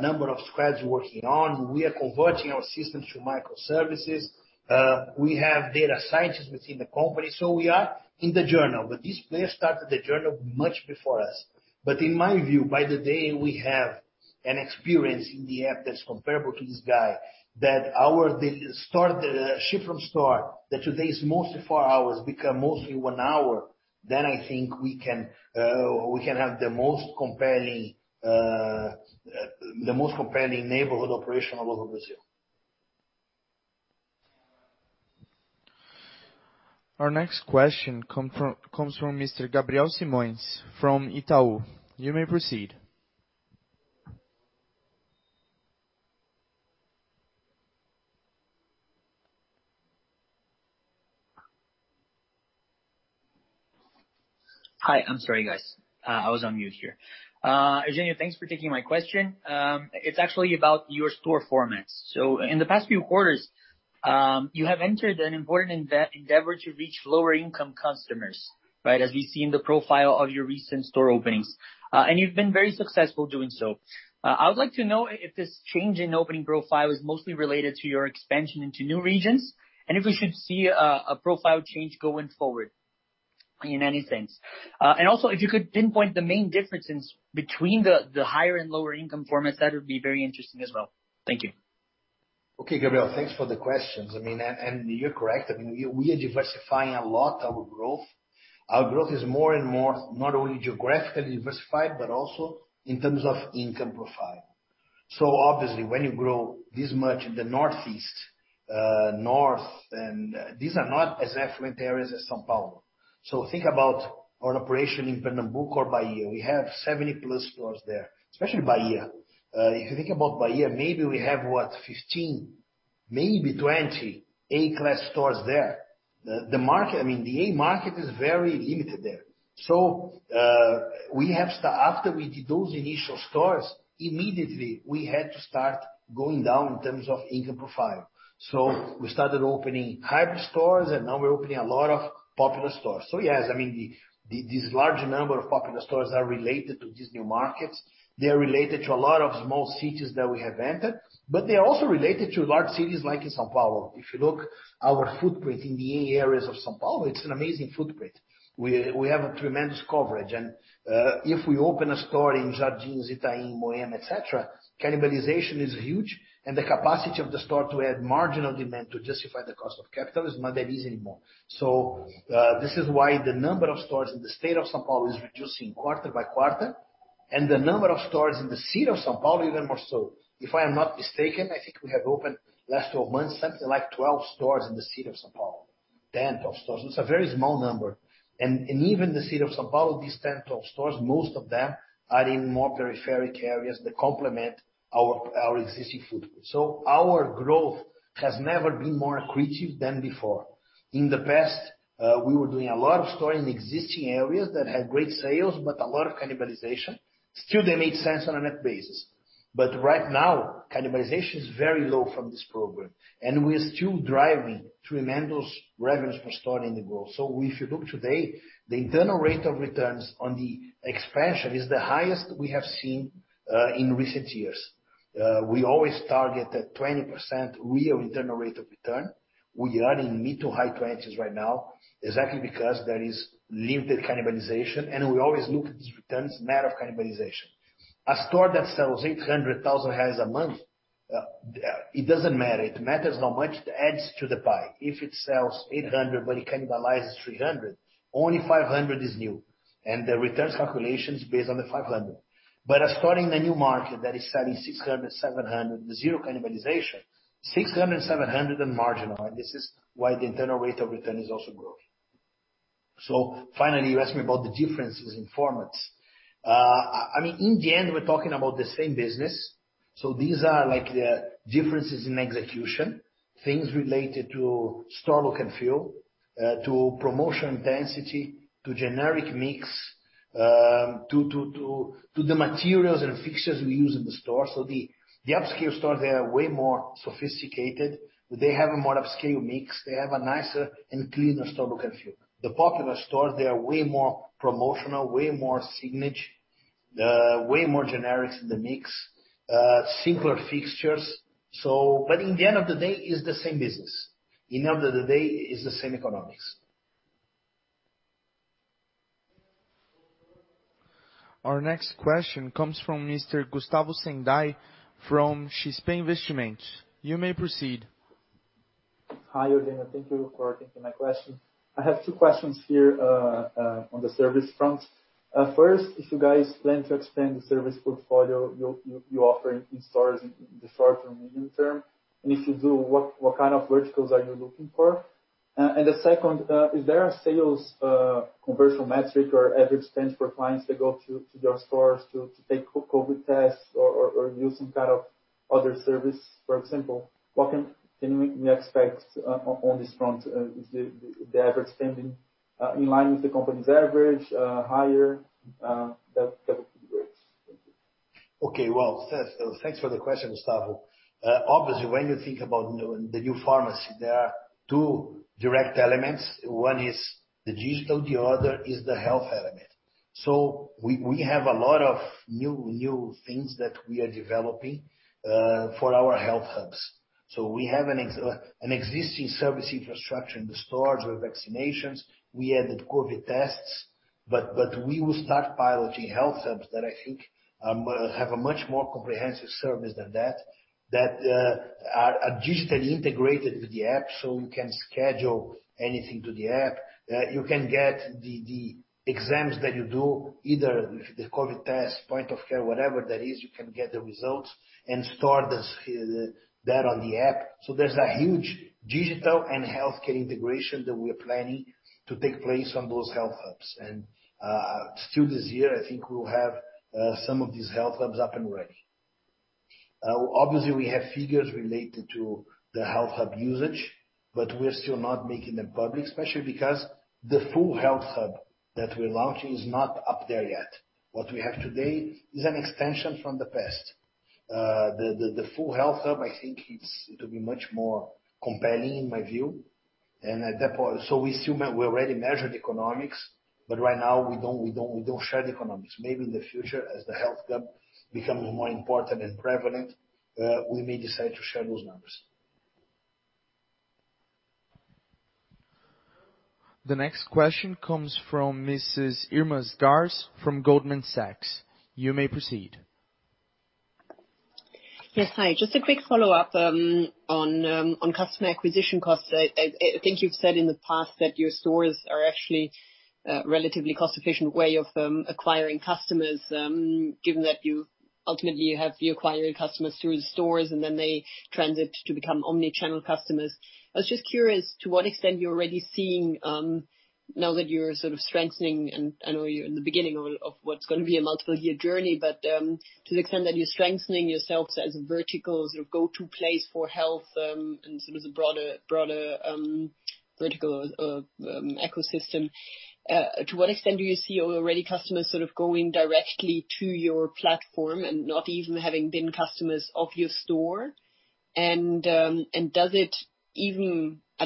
number of squads working on. We are converting our systems to microservices. We have data scientists within the company. We are in the journey. These players started the journey much before us. In my view, by the day, we have an experience in the app that's comparable to this guy, that our ship from store that today is mostly four hours become mostly one hour. I think we can have the most compelling neighborhood operation all over Brazil. Our next question comes from Mr. Gabriel Simões from Itaú. You may proceed. Raia. I'm sorry, guys. I was on mute here. Eugênio, thanks for taking my question. It's actually about your store formats. In the past few quarters, you have entered an important endeavor to reach lower-income customers, right, as we see in the profile of your recent store openings. You've been very successful doing so. I would like to know if this change in opening profile is mostly related to your expansion into new regions and if we should see a profile change going forward in any sense. Also, if you could pinpoint the main differences between the higher and lower-income formats, that would be very interesting as well. Thank you. Okay, Gabriel, thanks for the questions. You're correct. We are diversifying a lot our growth. Our growth is more and more not only geographically diversified but also in terms of income profile. Obviously, when you grow this much in the northeast, north, and these are not as affluent areas as São Paulo. Think about our operation in Pernambuco or Bahia. We have 70-plus stores there, especially Bahia. If you think about Bahia, maybe we have, what, 15, maybe 20 A-class stores there. The A market is very limited there. After we did those initial stores, immediately we had to start going down in terms of income profile. We started opening hybrid stores, and now we're opening a lot of popular stores. Yes, this large number of popular stores are related to these new markets. They are related to a lot of small cities that we have entered, but they are also related to large cities like in São Paulo. If you look our footprint in the A areas of São Paulo, it's an amazing footprint. We have a tremendous coverage. If we open a store in Jardins, Itaim, Moema, et cetera, cannibalization is huge, and the capacity of the store to add marginal demand to justify the cost of capital is not that easy anymore. This is why the number of stores in the state of São Paulo is reducing quarter by quarter, and the number of stores in the city of São Paulo even more so. If I am not mistaken, I think we have opened last 12 months something like 12 stores in the city of São Paulo. 10 stores. It's a very small number. Even the city of São Paulo, these 10 stores, most of them are in more peripheral areas that complement our existing footprint. Our growth has never been more accretive than before. In the past, we were doing a lot of store in existing areas that had great sales but a lot of cannibalization. Still, they made sense on a net basis. Right now, cannibalization is very low from this program, and we are still driving tremendous revenues for store in the growth. If you look today, the internal rate of returns on the expansion is the highest we have seen in recent years. We always target that 20% real internal rate of return. We are in mid to high 20s right now, exactly because there is limited cannibalization, and we always look at these returns net of cannibalization. A store that sells 800,000 reais a month, it doesn't matter. It matters how much it adds to the pie. If it sells 800,000 but it cannibalizes 300,000, only 500,000 is new, and the returns calculation is based on the 500,000. A store in a new market that is selling 600,000-700,000, zero cannibalization, 600,000-700,000 in marginal. This is why the internal rate of return is also growing. Finally, you asked me about the differences in formats. In the end, we're talking about the same business. These are the differences in execution, things related to store look and feel, to promotion density, to generic mix, to the materials and fixtures we use in the store. The upscale stores, they are way more sophisticated. They have a more upscale mix. They have a nicer and cleaner store look and feel. The popular stores, they are way more promotional, way more signage, way more generics in the mix, simpler fixtures. In the end of the day, it's the same business. End of the day, it's the same economics. Our next question comes from Mr. Gustavo Senday from XP Investimentos. You may proceed. Raia, Eugênio. Thank you for taking my question. I have two questions here on the service front. First, if you guys plan to expand the service portfolio you offer in stores in the short and medium term, and if you do, what kind of verticals are you looking for? The second, is there a sales conversion metric or average spend for clients that go to your stores to take COVID tests or use some kind of other service, for example? What can we expect on this front? Is the average spending in line with the company's average? Higher? That would be great. Thank you. Okay. Well, thanks for the question, Gustavo. Obviously, when you think about the new pharmacy, there are two direct elements. One is the digital, the other is the health element. We have a lot of new things that we are developing for our health hubs. We have an existing service infrastructure in the stores with vaccinations. We added COVID tests, but we will start piloting health hubs that I think have a much more comprehensive service than that are digitally integrated with the app, so you can schedule anything to the app. You can get the exams that you do, either the COVID test, point of care, whatever that is, you can get the results and store that on the app. There's a huge digital and healthcare integration that we are planning to take place on those health hubs. Still this year, I think we'll have some of these health hubs up and ready. Obviously, we have figures related to the health hub usage, but we're still not making them public, especially because the full health hub that we're launching is not up there yet. What we have today is an extension from the past. The full health hub, I think it'll be much more compelling in my view. At that point, we already measured economics, but right now we don't share the economics. Maybe in the future, as the health hub becomes more important and prevalent, we may decide to share those numbers. The next question comes from Mrs. Irma Sgarz from Goldman Sachs. You may proceed. Yes, hi. Just a quick follow-up on customer acquisition costs. I think you've said in the past that your stores are actually a relatively cost-efficient way of acquiring customers, given that you ultimately acquire your customers through the stores and then they transit to become omni-channel customers. I was just curious to what extent you're already seeing, now that you're sort of strengthening, and I know you're in the beginning of what's going to be a multiple-year journey, but to the extent that you're strengthening yourselves as a vertical go-to place for health and sort of the broader vertical ecosystem, to what extent do you see already customers sort of going directly to your platform and not even having been customers of your store? I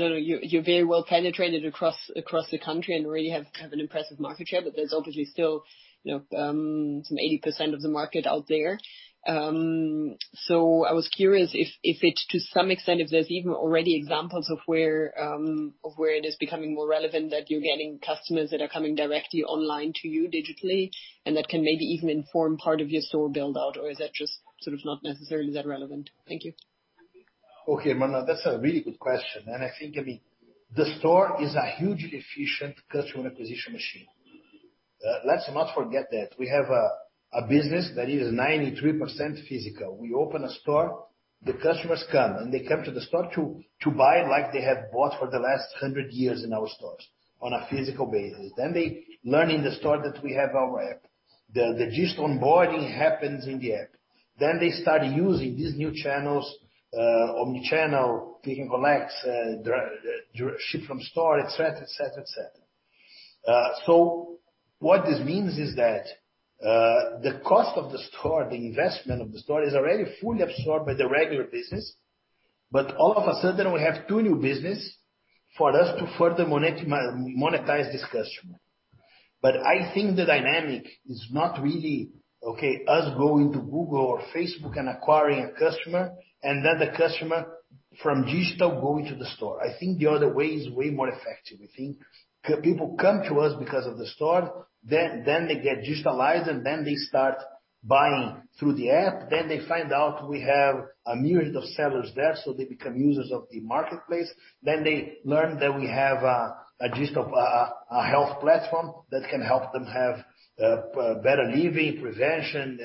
don't know, you're very well penetrated across the country and already have an impressive market share. There's obviously still some 80% of the market out there. I was curious if it to some extent, if there's even already examples of where it is becoming more relevant that you're getting customers that are coming directly online to you digitally and that can maybe even inform part of your store build-out, or is that just sort of not necessarily that relevant? Thank you. Okay, Irma, that's a really good question. I think, the store is a hugely efficient customer acquisition machine. Let's not forget that we have a business that is 93% physical. We open a store, the customers come, and they come to the store to buy like they have bought for the last 100 years in our stores on a physical basis. They learn in the store that we have our app. The digital onboarding happens in the app. They start using these new channels, omni-channel, click and collect, ship from store, et cetera. What this means is that the cost of the store, the investment of the store, is already fully absorbed by the regular business. All of a sudden, we have two new business for us to further monetize this customer. I think the dynamic is not really, okay, us going to Google or Facebook and acquiring a customer and then the customer from digital going to the store. I think the other way is way more effective. I think people come to us because of the store, then they get digitalized, and then they start buying through the app. They find out we have a myriad of sellers there, so they become users of the marketplace. They learn that we have a digital health platform that can help them have better living, prevention,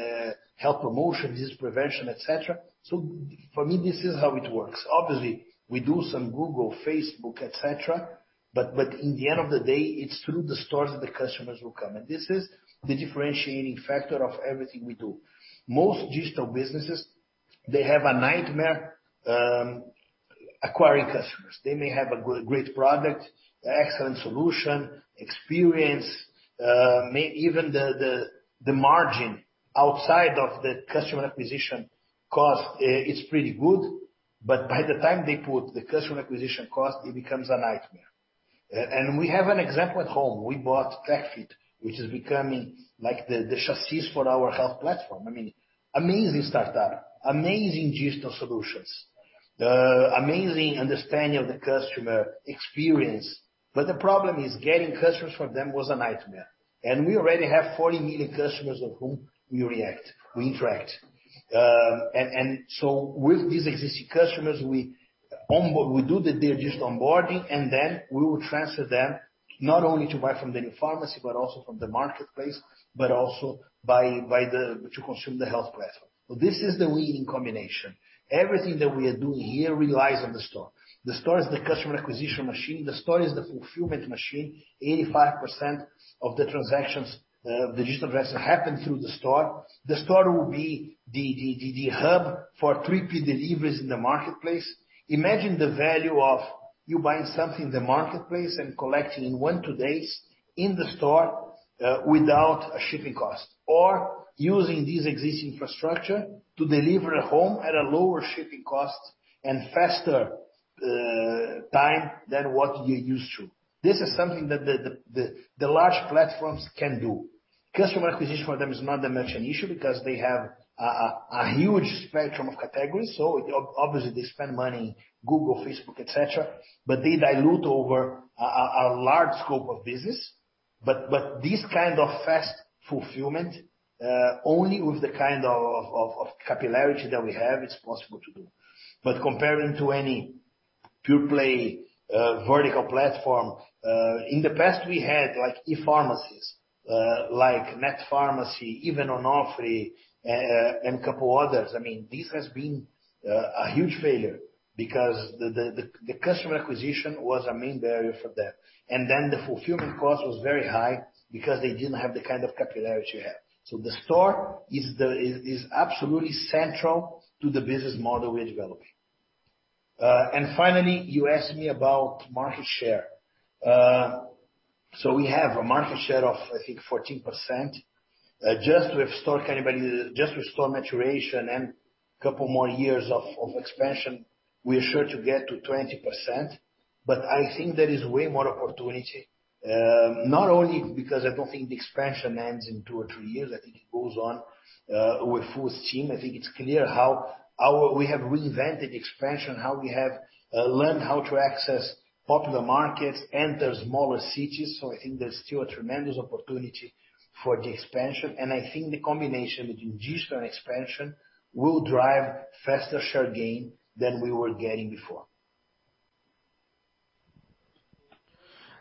health promotion, disease prevention, et cetera. For me, this is how it works. Obviously, we do some Google, Facebook, et cetera, but in the end of the day, it's through the stores that the customers will come. This is the differentiating factor of everything we do. Most digital businesses, they have a nightmare acquiring customers. They may have a great product, excellent solution, experience, even the margin outside of the customer acquisition cost is pretty good, but by the time they put the customer acquisition cost, it becomes a nightmare. We have an example at home. We bought TechFit, which is becoming like the chassis for our health platform. I mean, amazing startup, amazing digital solutions, amazing understanding of the customer experience. The problem is getting customers for them was a nightmare. We already have 40 million customers of whom we interact. With these existing customers, we do the digital onboarding, and then we will transfer them not only to buy from the new pharmacy, but also from the marketplace, but also to consume the health platform. This is the winning combination. Everything that we are doing here relies on the store. The store is the customer acquisition machine. The store is the fulfillment machine. 85% of the transactions, the digital transactions happen through the store. The store will be the hub for repeat deliveries in the marketplace. Imagine the value of you buying something in the marketplace and collecting in one, two days in the store, without a shipping cost. Using this existing infrastructure to deliver at home at a lower shipping cost and faster time than what you're used to. This is something that the large platforms can do. Customer acquisition for them is not that much an issue because they have a huge spectrum of categories, so obviously they spend money, Google, Facebook, et cetera, but they dilute over a large scope of business. This kind of fast fulfillment, only with the kind of capillarity that we have, it's possible to do. Comparing to any pure-play vertical platform, in the past, we had e-pharmacies, like Netfarma, even Onofre, and a couple others. This has been a huge failure because the customer acquisition was a main barrier for them. The fulfillment cost was very high because they didn't have the kind of capillarity we have. The store is absolutely central to the business model we are developing. Finally, you asked me about market share. We have a market share of, I think, 14%. Just with store maturation and couple more years of expansion, we are sure to get to 20%. I think there is way more opportunity, not only because I don't think the expansion ends in two or three years, I think it goes on with full steam. I think it's clear how we have reinvented expansion, how we have learned how to access popular markets, enter smaller cities. I think there's still a tremendous opportunity for the expansion, and I think the combination between digital and expansion will drive faster share gain than we were getting before.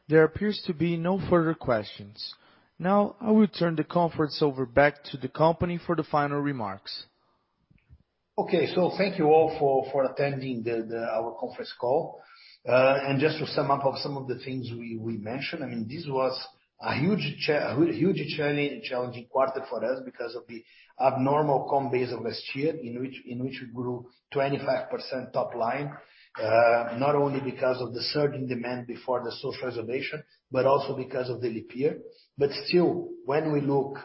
There appears to be no further questions. Now, I will turn the conference over back to the company for the final remarks. Okay. Thank you all for attending our conference call. Just to sum up of some of the things we mentioned, this was a huge challenging quarter for us because of the abnormal comp base of last year, in which we grew 25% top line, not only because of the surging demand before the social isolation, but also because of the leap year. Still, when we look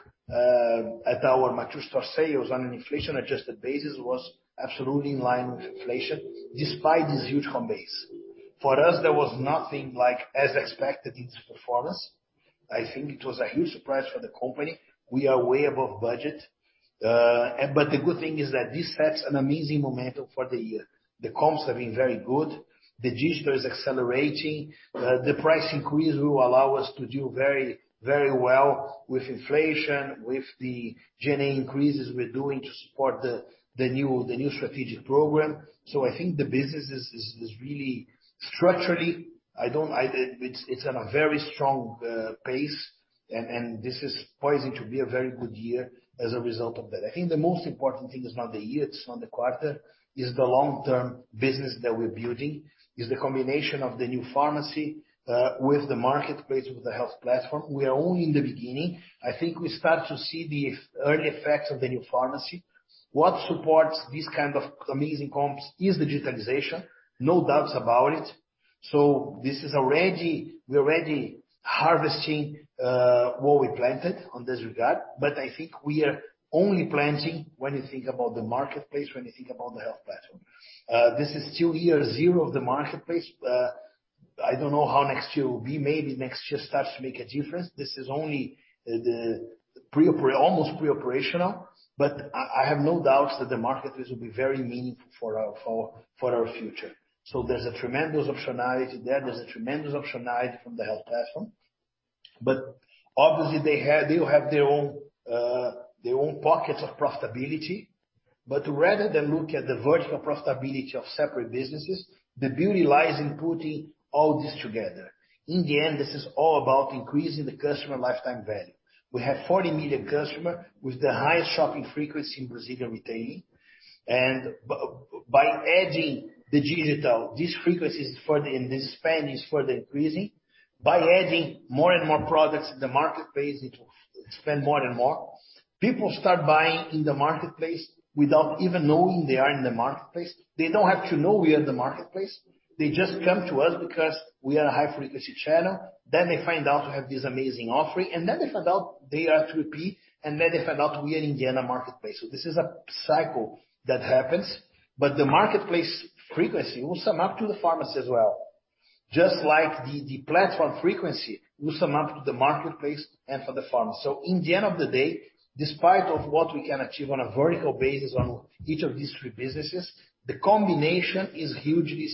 at our mature store sales on an inflation-adjusted basis was absolutely in line with inflation despite this huge comp base. For us, there was nothing like as expected in this performance. I think it was a huge surprise for the company. We are way above budget. The good thing is that this sets an amazing momentum for the year. The comps have been very good. The digital is accelerating. The price increase will allow us to do very well with inflation, with the G&A increases we're doing to support the new strategic program. I think the business is really structurally, it's on a very strong pace and this is poised to be a very good year as a result of that. I think the most important thing is not the year, it's not the quarter, it's the long-term business that we're building. It's the combination of the new pharmacy with the marketplace, with the health platform. We are only in the beginning. I think we start to see the early effects of the new pharmacy. What supports this kind of amazing comps is digitalization. No doubts about it. We're already harvesting what we planted on this regard, but I think we are only planting when you think about the marketplace, when you think about the health platform. This is still year zero of the marketplace. I don't know how next year will be. Maybe next year starts to make a difference. This is only almost pre-operational. I have no doubts that the marketplace will be very meaningful for our future. There's a tremendous optionality there. There's a tremendous optionality from the health platform. Obviously they'll have their own pockets of profitability. Rather than look at the vertical profitability of separate businesses, the beauty lies in putting all this together. In the end, this is all about increasing the customer lifetime value. We have 40 million customer with the highest shopping frequency in Brazilian retailing, and by adding the digital, this frequency and the spend is further increasing. By adding more and more products in the marketplace, it will spend more and more. People start buying in the marketplace without even knowing they are in the marketplace. They don't have to know we are in the marketplace. They just come to us because we are a high-frequency channel. They find out we have this amazing offering, and then they find out they are to repeat, and then they find out we are in the marketplace. This is a cycle that happens, but the marketplace frequency will sum up to the pharmacy as well, just like the platform frequency will sum up to the marketplace and for the pharmacy. In the end of the day, despite of what we can achieve on a vertical basis on each of these three businesses, the combination is hugely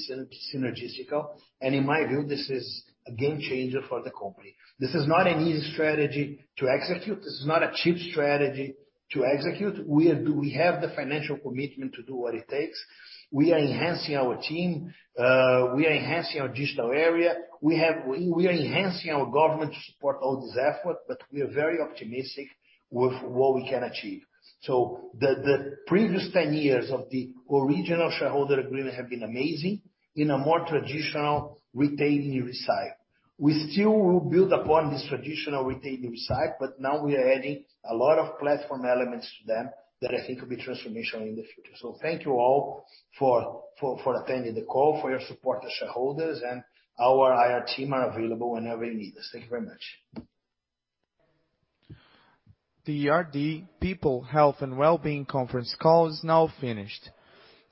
synergistical, and in my view, this is a game changer for the company. This is not an easy strategy to execute. This is not a cheap strategy to execute. We have the financial commitment to do what it takes. We are enhancing our team. We are enhancing our digital area. We are enhancing our governance to support all this effort, but we are very optimistic with what we can achieve. The previous 10 years of the original shareholder agreement have been amazing in a more traditional retailing side. We still will build upon this traditional retailing site, but now we are adding a lot of platform elements to them that I think will be transformational in the future. Thank you all for attending the call, for your support as shareholders, and our IR team are available whenever you need us. Thank you very much. The RD People, Health, and Wellbeing conference call is now finished.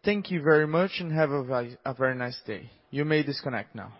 Thank you very much and have a very nice day. You may disconnect now.